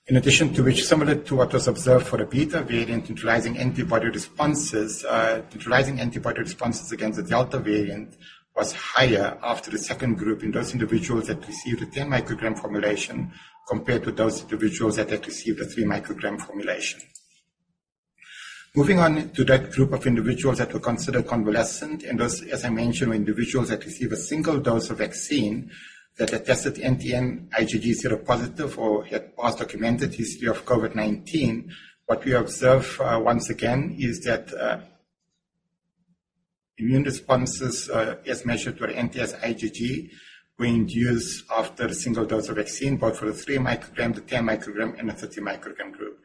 In addition to which, similar to what was observed for the Beta variant, neutralizing antibody responses against the Delta variant was higher after the second dose in those individuals that received a 10 mcg formulation compared to those individuals that had received the 3 mcg formulation. Moving on to that group of individuals that were considered convalescent, and those, as I mentioned, were individuals that received a single dose of vaccine that had tested anti-N IgG seropositive or had past documented history of COVID-19. What we observe, once again, is that, immune responses, as measured by anti-S IgG were induced after a single dose of vaccine, both for the 3 mcg, the 10 mcg, and the 30 mcg group.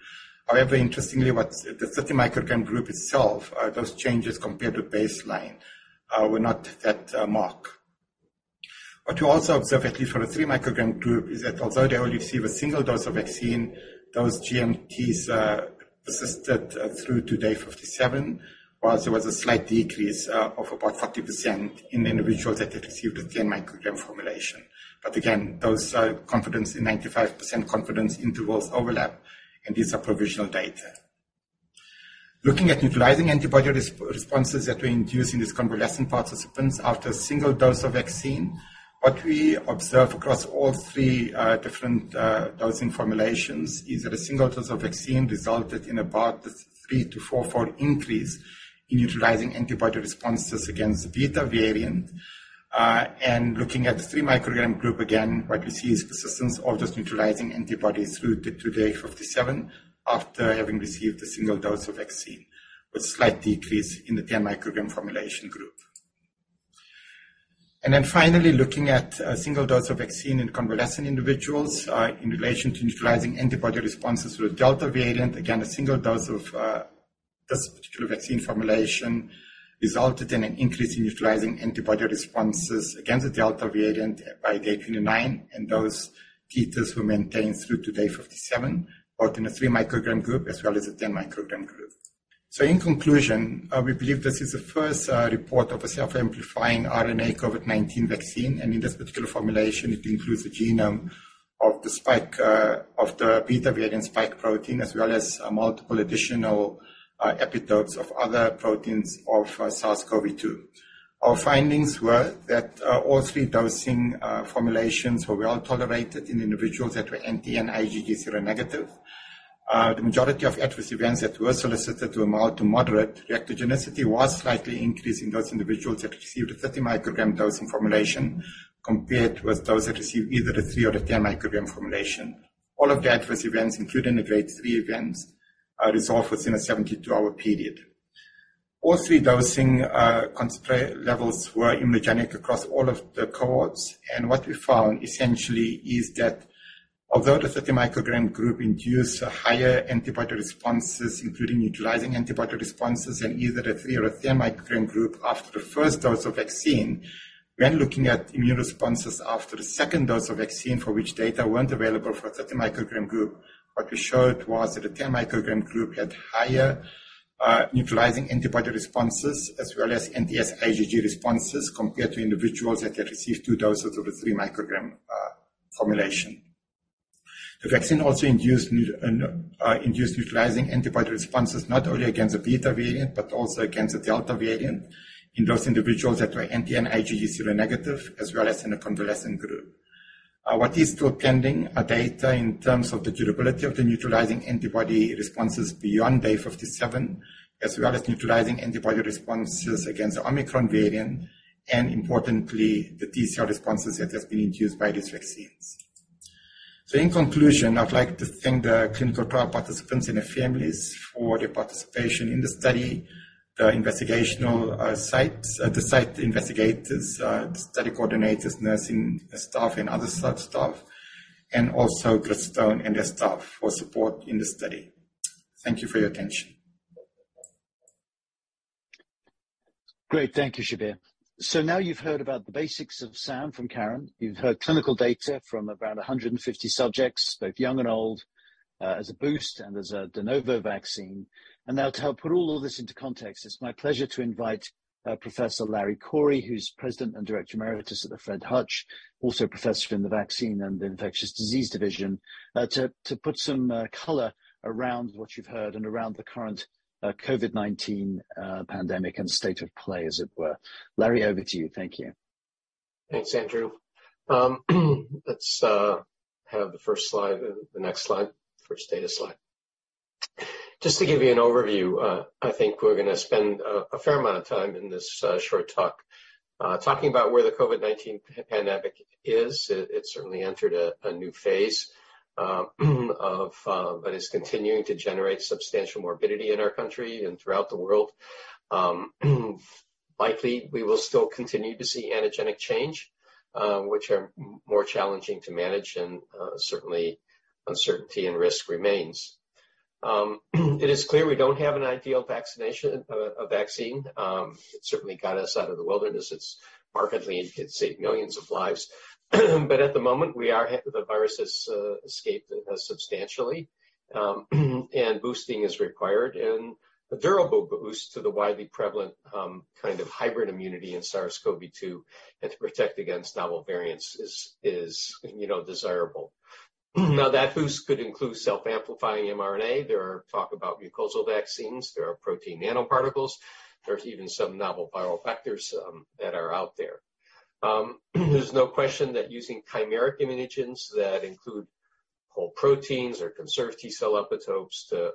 However, interestingly, what the 30 mcg group itself, those changes compared with baseline, were not that, marked. What we also observe, at least for the 3 mcg group, is that although they only received a single dose of vaccine, those GMTs, persisted, through to day 57, whilst there was a slight decrease, of about 40% in individuals that had received a 10 mcg formulation. Again, those 95% confidence intervals overlap, and these are provisional data. Looking at neutralizing antibody responses that were induced in these convalescent participants after a single dose of vaccine, what we observe across all three different dosing formulations is that a single dose of vaccine resulted in about a three- to four-fold increase in neutralizing antibody responses against the Beta variant. Looking at the 3 mcg group, again, what we see is persistence of those neutralizing antibodies through to day 57 after having received a single dose of vaccine, with slight decrease in the 10 mcg formulation group. Looking at a single dose of vaccine in convalescent individuals in relation to neutralizing antibody responses for the Delta variant. Again, a single dose of this particular vaccine formulation resulted in an increase in neutralizing antibody responses against the Delta variant by day 29. Those titers were maintained through to day 57, both in the 3 mcg group as well as the 10 mcg group. In conclusion, we believe this is the first report of a self-amplifying RNA COVID-19 vaccine, and in this particular formulation, it includes the genome of the spike of the Beta variant spike protein, as well as multiple additional epitopes of other proteins of SARS-CoV-2. Our findings were that all three dosing formulations were well-tolerated in individuals that were anti-N IgG seronegative. The majority of adverse events that were solicited were mild to moderate. Reactogenicity was slightly increased in those individuals that received a 30 mcg dosing formulation compared with those that received either a 3 mcg or a 10 mcg formulation. All of the adverse events, including the grade three events, are resolved within a 72-hour period. All 3 dosing concentration levels were immunogenic across all of the cohorts. What we found essentially is that although the 30 mcg group induced higher antibody responses, including neutralizing antibody responses in either a 3 mcg or a 10 mcg group after the first dose of vaccine, when looking at immune responses after the second dose of vaccine for which data weren't available for the 30 mcg group, what we showed was that the 10 mcg group had higher neutralizing antibody responses as well as anti-S IgG responses compared to individuals that had received two doses of the 3 mcg formulation. The vaccine also induced neutralizing antibody responses not only against the Beta variant, but also against the Delta variant in those individuals that were anti-N IgG seronegative, as well as in the convalescent group. What is still pending are data in terms of the durability of the neutralizing antibody responses beyond day 57, as well as neutralizing antibody responses against the Omicron variant, and importantly, the TCR responses that have been induced by these vaccines. In conclusion, I'd like to thank the clinical trial participants and their families for their participation in the study, the investigational sites, the site investigators, study coordinators, nursing staff, and other site staff, and also Gladstone and their staff for support in the study. Thank you for your attention. Great. Thank you, Shabir. Now you've heard about the basics of SAM from Karin. You've heard clinical data from around 150 subjects, both young and old, as a boost and as a de novo vaccine. Now to help put all of this into context, it's my pleasure to invite Professor Larry Corey, who's President and Director Emeritus of the Fred Hutch, also a professor in the Vaccine and Infectious Disease Division, to put some color around what you've heard and around the current COVID-19 pandemic and state of play as it were. Larry, over to you. Thank you. Thanks, Andrew. Let's have the first slide, the next slide, first data slide. Just to give you an overview, I think we're gonna spend a fair amount of time in this short talk talking about where the COVID-19 pandemic is. It certainly entered a new phase, but it's continuing to generate substantial morbidity in our country and throughout the world. Likely we will still continue to see antigenic change, which are more challenging to manage and certainly uncertainty and risk remains. It is clear we don't have an ideal vaccine. It certainly got us out of the wilderness. It's markedly, it could save millions of lives. At the moment, the virus has escaped us substantially, and boosting is required, and a durable boost to the widely prevalent kind of hybrid immunity in SARS-CoV-2, and to protect against novel variants is, you know, desirable. Now, that boost could include self-amplifying mRNA. There's talk about mucosal vaccines. There are protein nanoparticles. There's even some novel viral vectors that are out there. There's no question that using chimeric immunogens that include whole proteins or conserved T-cell epitopes to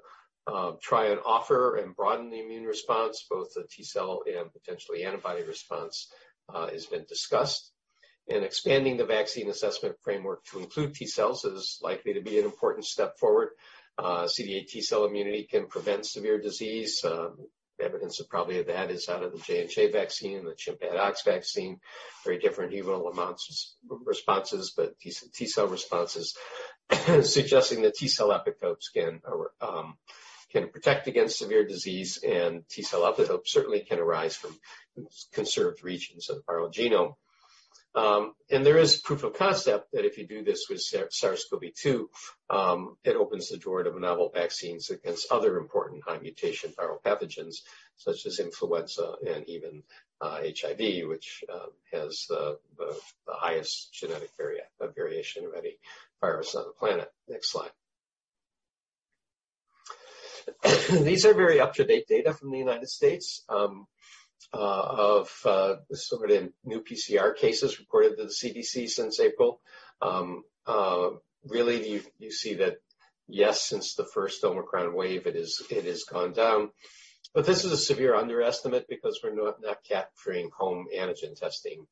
try and offer and broaden the immune response, both the T-cell and potentially antibody response has been discussed. Expanding the vaccine assessment framework to include T cells is likely to be an important step forward. CD8 T-cell immunity can prevent severe disease. Evidence of probably that is out of the J&J vaccine, the ChAdOx vaccine, very different hemagglutinin responses, but T-cell responses suggesting that T-cell epitopes can protect against severe disease, and T-cell epitopes certainly can arise from conserved regions of the viral genome. There is proof of concept that if you do this with SARS-CoV-2, it opens the door to novel vaccines against other important high mutation viral pathogens such as influenza and even HIV, which has the highest genetic variation of any virus on the planet. Next slide. These are very up-to-date data from the United States of sort of new PCR cases reported to the CDC since April. Really, you see that, yes, since the first Omicron wave, it has gone down. This is a severe underestimate because we're not capturing home antigen testing.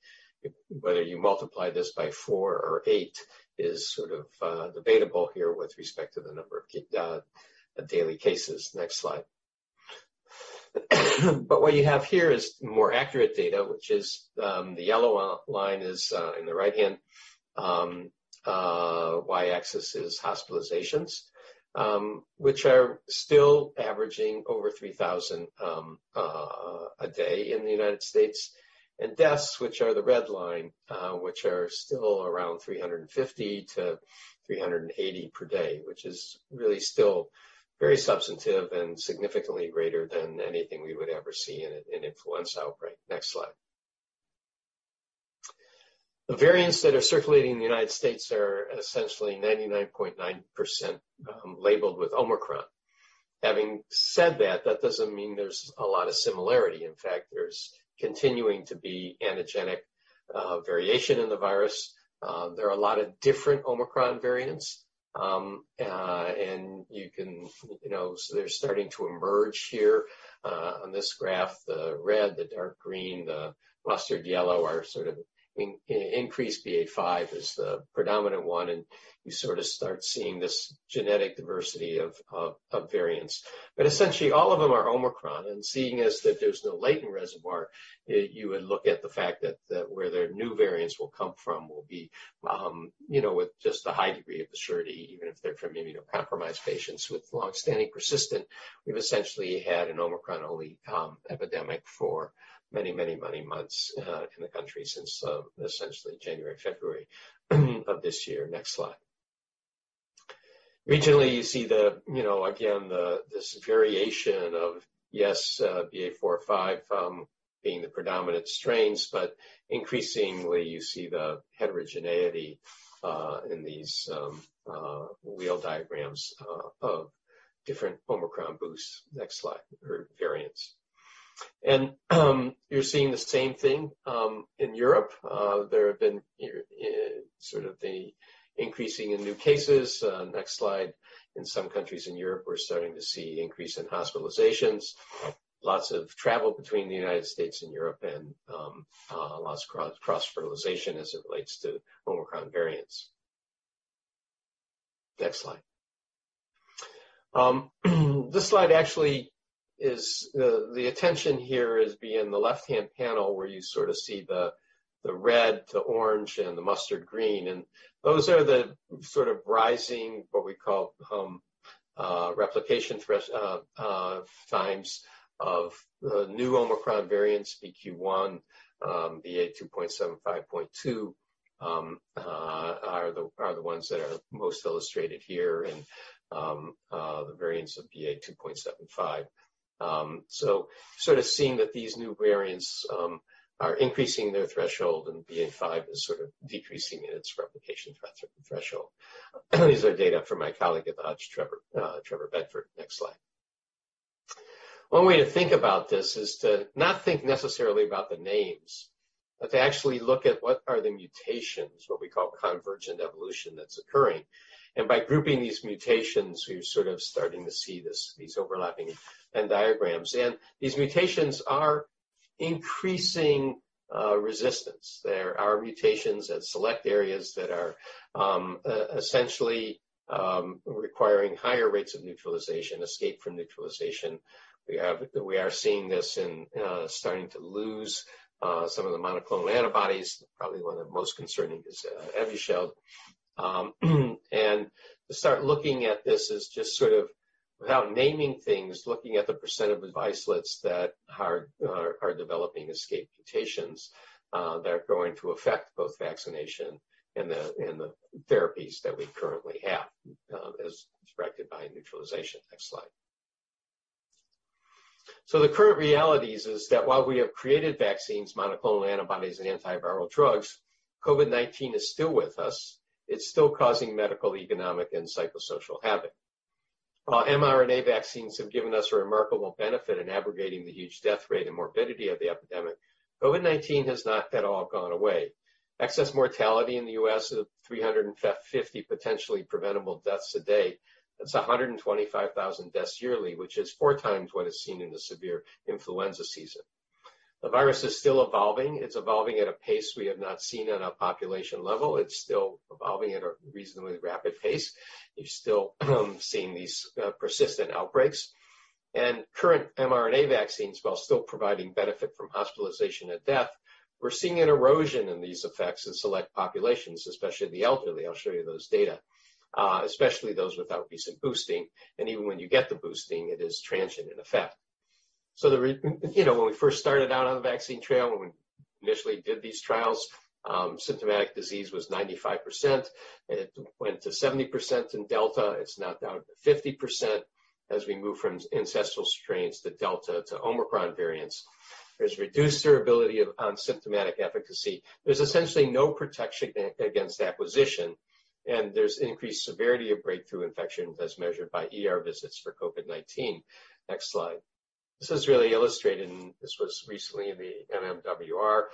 Whether you multiply this by four or eight is sort of debatable here with respect to the number of daily cases. Next slide. What you have here is more accurate data, which is, the yellow line is in the right-hand y-axis is hospitalizations, which are still averaging over 3,000 a day in the United States. Deaths, which are the red line, which are still around 350-380 per day, which is really still very substantive and significantly greater than anything we would ever see in an influenza outbreak. Next slide. The variants that are circulating in the United States are essentially 99.9%, labeled with Omicron. Having said that doesn't mean there's a lot of similarity. In fact, there's continuing to be antigenic variation in the virus. There are a lot of different Omicron variants, and you can. You know, so they're starting to emerge here on this graph. The red, the dark green, the mustard yellow are sort of increased. BA.5 is the predominant one, and you sort of start seeing this genetic diversity of variants. Essentially all of them are Omicron, and seeing as that there's no latent reservoir, you would look at the fact that where their new variants will come from will be, you know, with just a high degree of certainty, even if they're from immunocompromised patients with long-standing persistent, we've essentially had an Omicron only epidemic for many months in the country since essentially January, February of this year. Next slide. Regionally, you see the, you know, again, this variation of BA.4 or BA.5 being the predominant strains, but increasingly you see the heterogeneity in these wheel diagrams of different Omicron variants. Next slide. You're seeing the same thing in Europe. There have been sort of an increase in new cases. Next slide. In some countries in Europe, we're starting to see increase in hospitalizations. Lots of travel between the United States and Europe, and lots of cross-fertilization as it relates to Omicron variants. Next slide. This slide actually is in the left-hand panel where you sort of see the red to orange and the mustard green. Those are the sort of rising, what we call, replication threshold times of the new Omicron variants, BQ.1, BA.2.75.2 are the ones that are most illustrated here, and the variants of BA.2.75. Sort of seeing that these new variants are increasing their threshold and BA.5 is sort of decreasing in its replication threshold. These are data from my colleague at the Hutch, Trevor Bedford. Next slide. One way to think about this is to not think necessarily about the names, but to actually look at what are the mutations, what we call convergent evolution, that's occurring. By grouping these mutations, we're sort of starting to see this, these overlapping Venn diagrams. These mutations are increasing resistance. There are mutations at select areas that are essentially requiring higher rates of neutralization, escape from neutralization. We are seeing this in starting to lose some of the monoclonal antibodies. Probably one of the most concerning is Evusheld. To start looking at this as just sort of, without naming things, looking at the percent of virions that are developing escape mutations, that are going to affect both vaccination and the therapies that we currently have, as directed by neutralization. Next slide. The current reality is that while we have created vaccines, monoclonal antibodies, and antiviral drugs, COVID-19 is still with us. It's still causing medical, economic, and psychosocial havoc. While mRNA vaccines have given us a remarkable benefit in abrogating the huge death rate and morbidity of the epidemic, COVID-19 has not at all gone away. Excess mortality in the U.S. is at 350 potentially preventable deaths a day. That's 125,000 deaths yearly, which is 4x what is seen in a severe influenza season. The virus is still evolving. It's evolving at a pace we have not seen on a population level. It's still evolving at a reasonably rapid pace. You're still seeing these persistent outbreaks. Current mRNA vaccines, while still providing benefit from hospitalization and death, we're seeing an erosion in these effects in select populations, especially the elderly. I'll show you those data. Especially those without recent boosting, and even when you get the boosting, it is transient in effect. You know, when we first started out on the vaccine trail, when we initially did these trials, symptomatic disease was 95%. It went to 70% in Delta. It's now down to 50% as we move from ancestral strains to Delta to Omicron variants. There's reduced durability of asymptomatic efficacy. There's essentially no protection against acquisition, and there's increased severity of breakthrough infection as measured by ER visits for COVID-19. Next slide. This is really illustrated, and this was recently in the MMWR.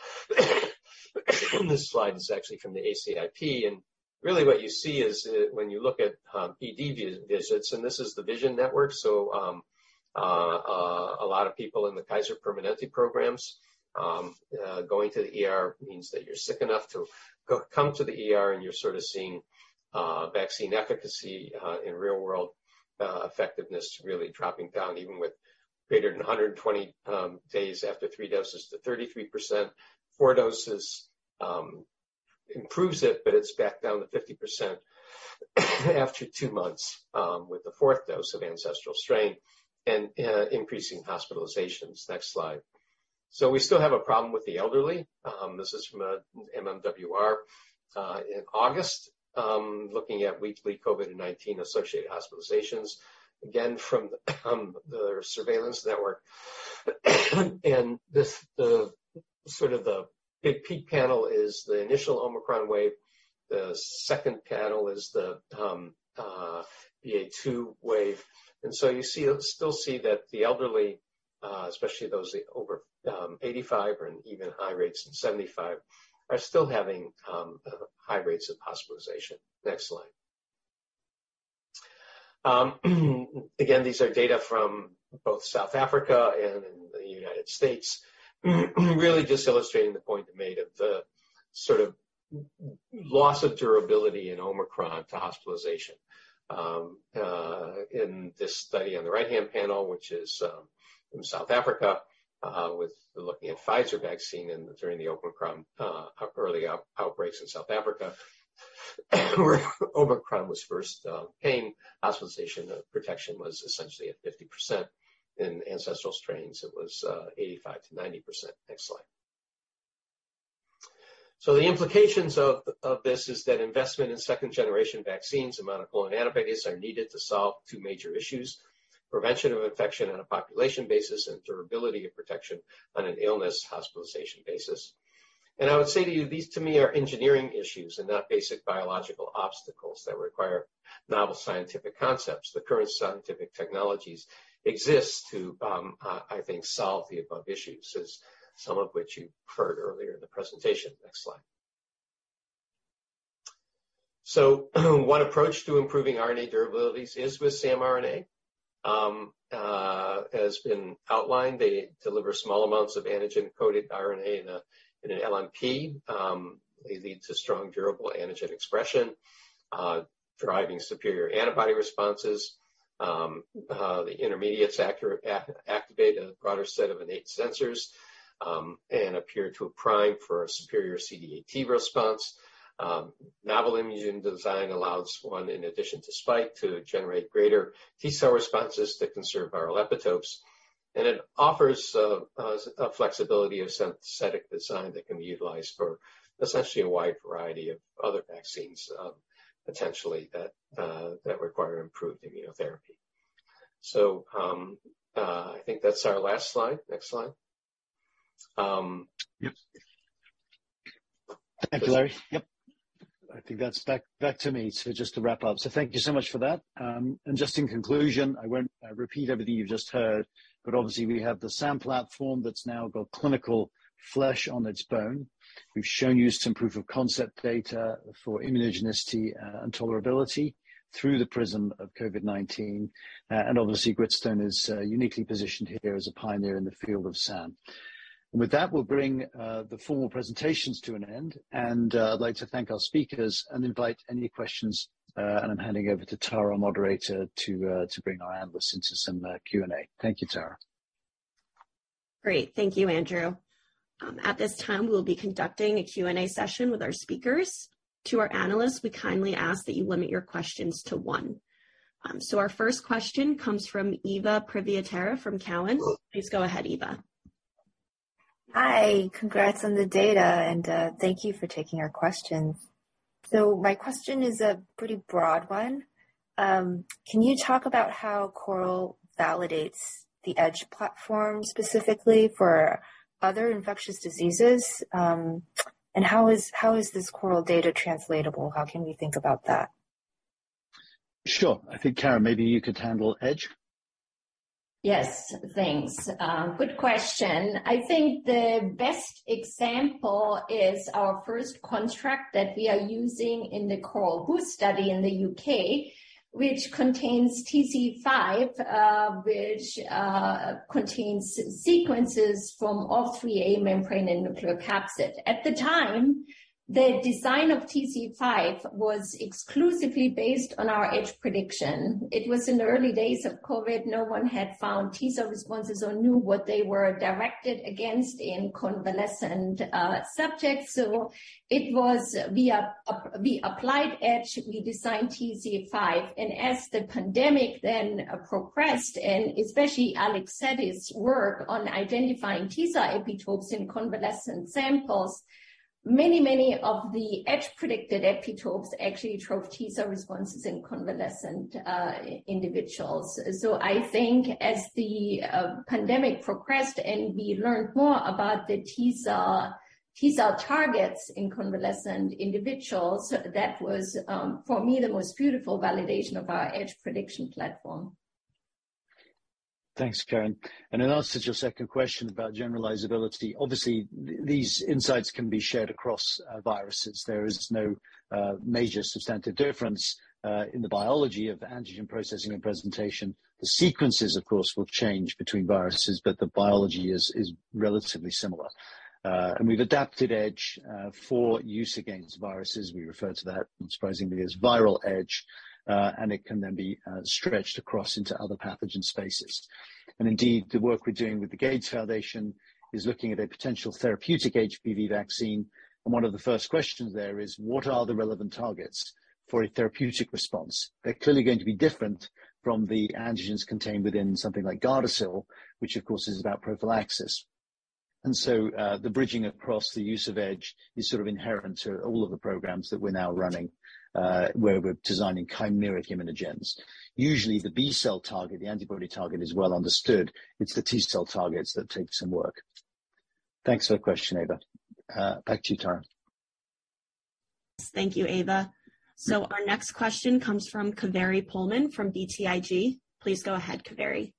This slide is actually from the ACIP, and really what you see is, when you look at ED visits, and this is the VISION Network, so a lot of people in the Kaiser Permanente programs, going to the ER means that you're sick enough to come to the ER, and you're sort of seeing vaccine efficacy in real-world effectiveness really dropping down even with greater than 120 days after three doses to 33%. Four doses improves it, but it's back down to 50% after two months with the fourth dose of ancestral strain and increasing hospitalizations. Next slide. We still have a problem with the elderly. This is from a MMWR in August looking at weekly COVID-19-associated hospitalizations, again from the surveillance network. This sort of big peak panel is the initial Omicron wave. The second panel is the BA.2 wave. You still see that the elderly, especially those over 85 and even high rates in 75, are still having high rates of hospitalization. Next slide. Again, these are data from both South Africa and the United States, really just illustrating the point made of the sort of loss of durability in Omicron to hospitalization. In this study on the right-hand panel, which is from South Africa with looking at Pfizer vaccine and during the Omicron early outbreaks in South Africa, where Omicron was first came, hospitalization protection was essentially at 50%. In ancestral strains, it was 85%-90%. Next slide. The implications of this is that investment in second-generation vaccines and monoclonal antibodies are needed to solve two major issues, prevention of infection on a population basis and durability of protection on an illness hospitalization basis. I would say to you, these to me are engineering issues and not basic biological obstacles that require novel scientific concepts. The current scientific technologies exist to, I think, solve the above issues, as some of which you heard earlier in the presentation. Next slide. One approach to improving RNA durability is with samRNA. As has been outlined, they deliver small amounts of antigen-coded RNA in an LNP. It leads to strong, durable antigen expression, driving superior antibody responses. The intermediates activate a broader set of innate sensors, and appear to prime for a superior CD8 T response. Novel immunogen design allows one, in addition to spike, to generate greater T cell responses that conserve viral epitopes. It offers a flexibility of synthetic design that can be utilized for essentially a wide variety of other vaccines, potentially that require improved immunotherapy. I think that's our last slide. Next slide. Yep. Thank you, Larry. Yep. I think that's back to me. Just to wrap up. Thank you so much for that. And just in conclusion, I won't repeat everything you've just heard, but obviously we have the SAM platform that's now got clinical flesh on its bone. We've shown you some proof of concept data for immunogenicity and tolerability through the prism of COVID-19. And obviously, Gritstone is uniquely positioned here as a pioneer in the field of SAM. With that, we'll bring the formal presentations to an end, and I'd like to thank our speakers and invite any questions, and I'm handing over to Tara, our moderator, to bring our analysts into some Q&A. Thank you, Tara. Great. Thank you, Andrew. At this time, we'll be conducting a Q&A session with our speakers. To our analysts, we kindly ask that you limit your questions to one. Our first question comes from Eva Privitera from Cowen. Please go ahead, Eva. Hi. Congrats on the data, and thank you for taking our questions. My question is a pretty broad one. Can you talk about how CORAL validates the EDGE platform, specifically for other infectious diseases? And how is this CORAL data translatable? How can we think about that? Sure. I think Karin, maybe you could handle EDGE. Yes. Thanks. Good question. I think the best example is our first construct that we are using in the CORAL-Boost study in the U.K., which contains TCE5, which contains sequences from ORF3a, membrane, and nucleocapsid. At the time, the design of TCE5 was exclusively based on our EDGE prediction. It was in the early days of COVID. No one had found T cell responses or knew what they were directed against in convalescent subjects. So it was via an applied EDGE. We designed TCE5. As the pandemic then progressed, and especially Alex Sette's work on identifying T cell epitopes in convalescent samples, many of the EDGE predicted epitopes actually drove T cell responses in convalescent individuals. I think as the pandemic progressed and we learned more about the T cell targets in convalescent individuals, that was for me the most beautiful validation of our EDGE prediction platform. Thanks, Karin. In answer to your second question about generalizability, obviously these insights can be shared across viruses. There is no major substantive difference in the biology of antigen processing and presentation. The sequences, of course, will change between viruses, but the biology is relatively similar. We've adapted EDGE for use against viruses. We refer to that, unsurprisingly, as viral EDGE. It can then be stretched across into other pathogen spaces. Indeed, the work we're doing with the Gates Foundation is looking at a potential therapeutic HPV vaccine. One of the first questions there is, what are the relevant targets for a therapeutic response? They're clearly going to be different from the antigens contained within something like Gardasil, which of course is about prophylaxis. The bridging across the use of EDGE is sort of inherent to all of the programs that we're now running, where we're designing chimeric immunogens. Usually the B cell target, the antibody target is well understood. It's the T cell targets that take some work. Thanks for the question, Eva. Back to you, Tara. Thank you, Eva. Our next question comes from Kaveri Pohlman from BTIG. Please go ahead, Kaveri.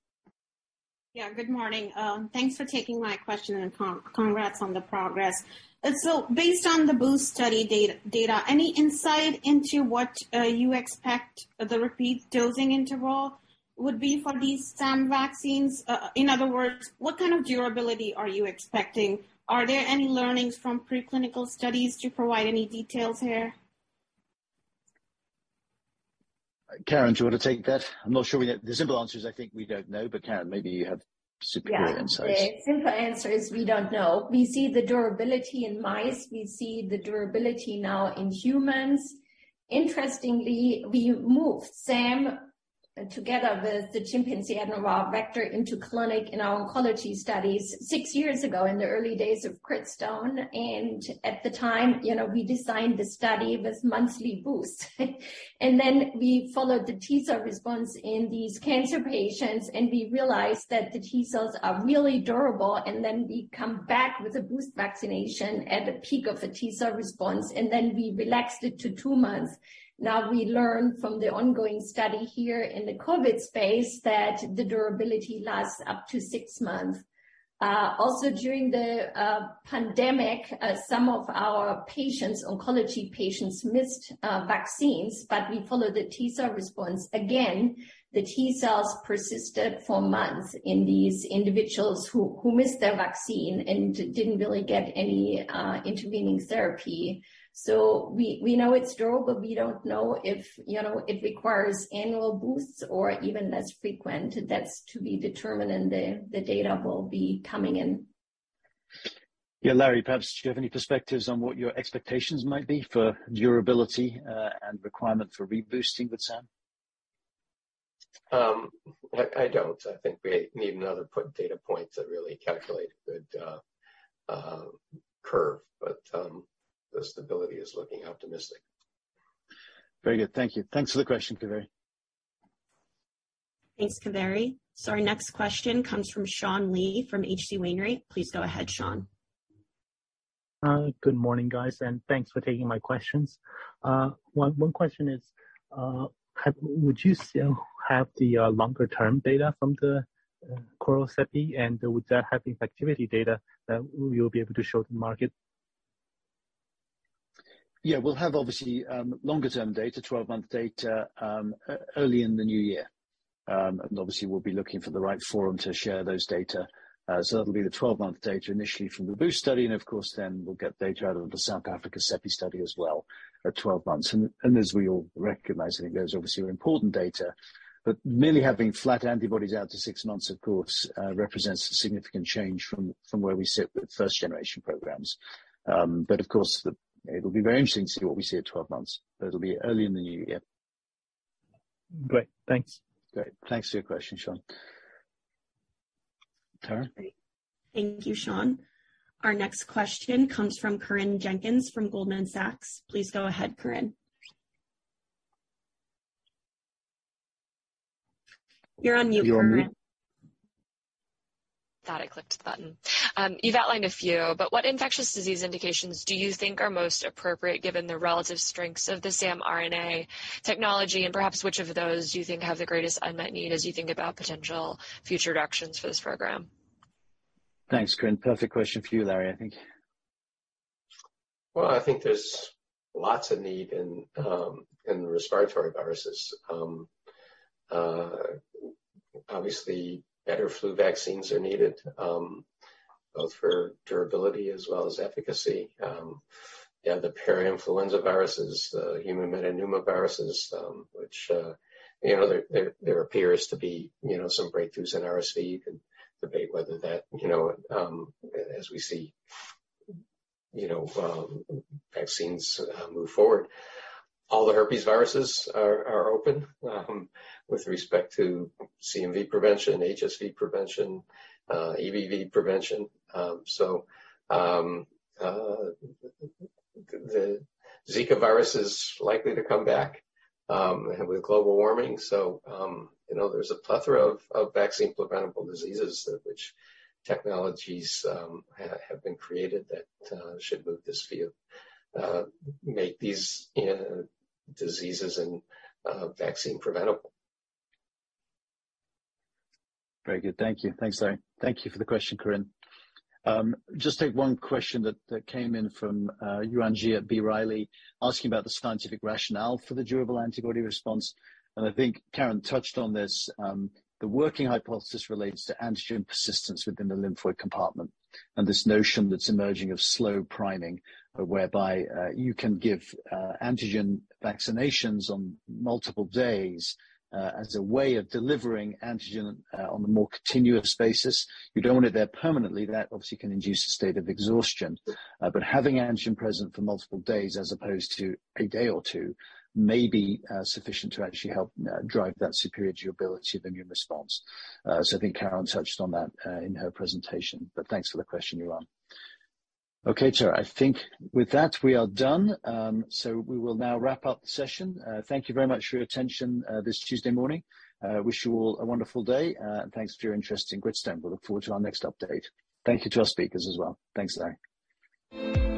Yeah, good morning. Thanks for taking my question and congrats on the progress. Based on the boost study data, any insight into what you expect the repeat dosing interval would be for these SAM vaccines? In other words, what kind of durability are you expecting? Are there any learnings from preclinical studies? Do you provide any details here? Karin, do you wanna take that? I'm not sure we know. The simple answer is I think we don't know, but Karin, maybe you have super clear insights. Yeah. The simple answer is we don't know. We see the durability in mice. We see the durability now in humans. Interestingly, we moved SAM together with the chimpanzee adenoviral vector into clinic in our oncology studies six years ago in the early days of Gritstone, and at the time, you know, we designed the study with monthly boosts. We followed the T cell response in these cancer patients, and we realized that the T cells are really durable, and then we come back with a boost vaccination at the peak of the T cell response, and then we relaxed it to two months. Now, we learn from the ongoing study here in the COVID space that the durability lasts up to six months. Also during the pandemic, some of our patients, oncology patients missed vaccines, but we followed the T cell response. Again, the T cells persisted for months in these individuals who missed their vaccine and didn't really get any intervening therapy. We know it's durable, but we don't know if, you know, it requires annual boosts or even less frequent. That's to be determined, and the data will be coming in. Yeah. Larry, perhaps do you have any perspectives on what your expectations might be for durability and requirement for reboosting with SAM? I don't. I think we need another data point to really calculate a good curve, but the stability is looking optimistic. Very good. Thank you. Thanks for the question, Kaveri. Thanks, Kaveri. Our next question comes from Sean Lee from H.C. Wainwright. Please go ahead, Sean. Good morning, guys, and thanks for taking my questions. One question is, would you still have the longer term data from the CORAL Study? With that activity data that we'll be able to show to the market? Yeah, we'll have obviously longer-term data, 12-month data early in the new year. We'll be looking for the right forum to share those data. That'll be the 12-month data initially from the boost study, and of course, then we'll get data out of the South Africa CEPI study as well at 12 months. As we all recognize, I think those obviously are important data, but merely having flat antibodies out to six months, of course, represents a significant change from where we sit with first generation programs. Of course, it'll be very interesting to see what we see at 12 months. It'll be early in the new year. Great. Thanks. Great. Thanks for your question, Sean. Tara? Thank you, Sean. Our next question comes from Corinne Jenkins from Goldman Sachs. Please go ahead, Corinne. You're on mute, Corinne. You're on mute. Thought I clicked the button. You've outlined a few, but what infectious disease indications do you think are most appropriate given the relative strengths of the samRNA technology, and perhaps which of those do you think have the greatest unmet need as you think about potential future directions for this program? Thanks, Corinne. Perfect question for you, Larry, I think. Well, I think there's lots of need in respiratory viruses. Obviously better flu vaccines are needed both for durability as well as efficacy. The parainfluenza viruses, the human metapneumoviruses, which you know there appears to be you know some breakthroughs in RSV. You can debate whether that you know as we see you know vaccines move forward. All the herpes viruses are open with respect to CMV prevention, HSV prevention, EBV prevention. The Zika virus is likely to come back with global warming. You know, there's a plethora of vaccine-preventable diseases which technologies have been created that should move this field, make these infectious diseases vaccine preventable. Very good. Thank you. Thanks, Larry. Thank you for the question, Corinne. Just take one question that came in from Yuan Zhi at B. Riley asking about the scientific rationale for the durable antibody response. I think Karin touched on this. The working hypothesis relates to antigen persistence within the lymphoid compartment and this notion that's emerging of slow priming, whereby you can give antigen vaccinations on multiple days as a way of delivering antigen on a more continuous basis. You don't want it there permanently. That obviously can induce a state of exhaustion. But having antigen present for multiple days as opposed to a day or two may be sufficient to actually help drive that superior durability of immune response. I think Karin touched on that in her presentation, but thanks for the question, Yuan. Okay. Tara, I think with that we are done. We will now wrap up the session. Thank you very much for your attention this Tuesday morning. Wish you all a wonderful day, and thanks for your interest in Gritstone. We'll look forward to our next update. Thank you to our speakers as well. Thanks, Larry.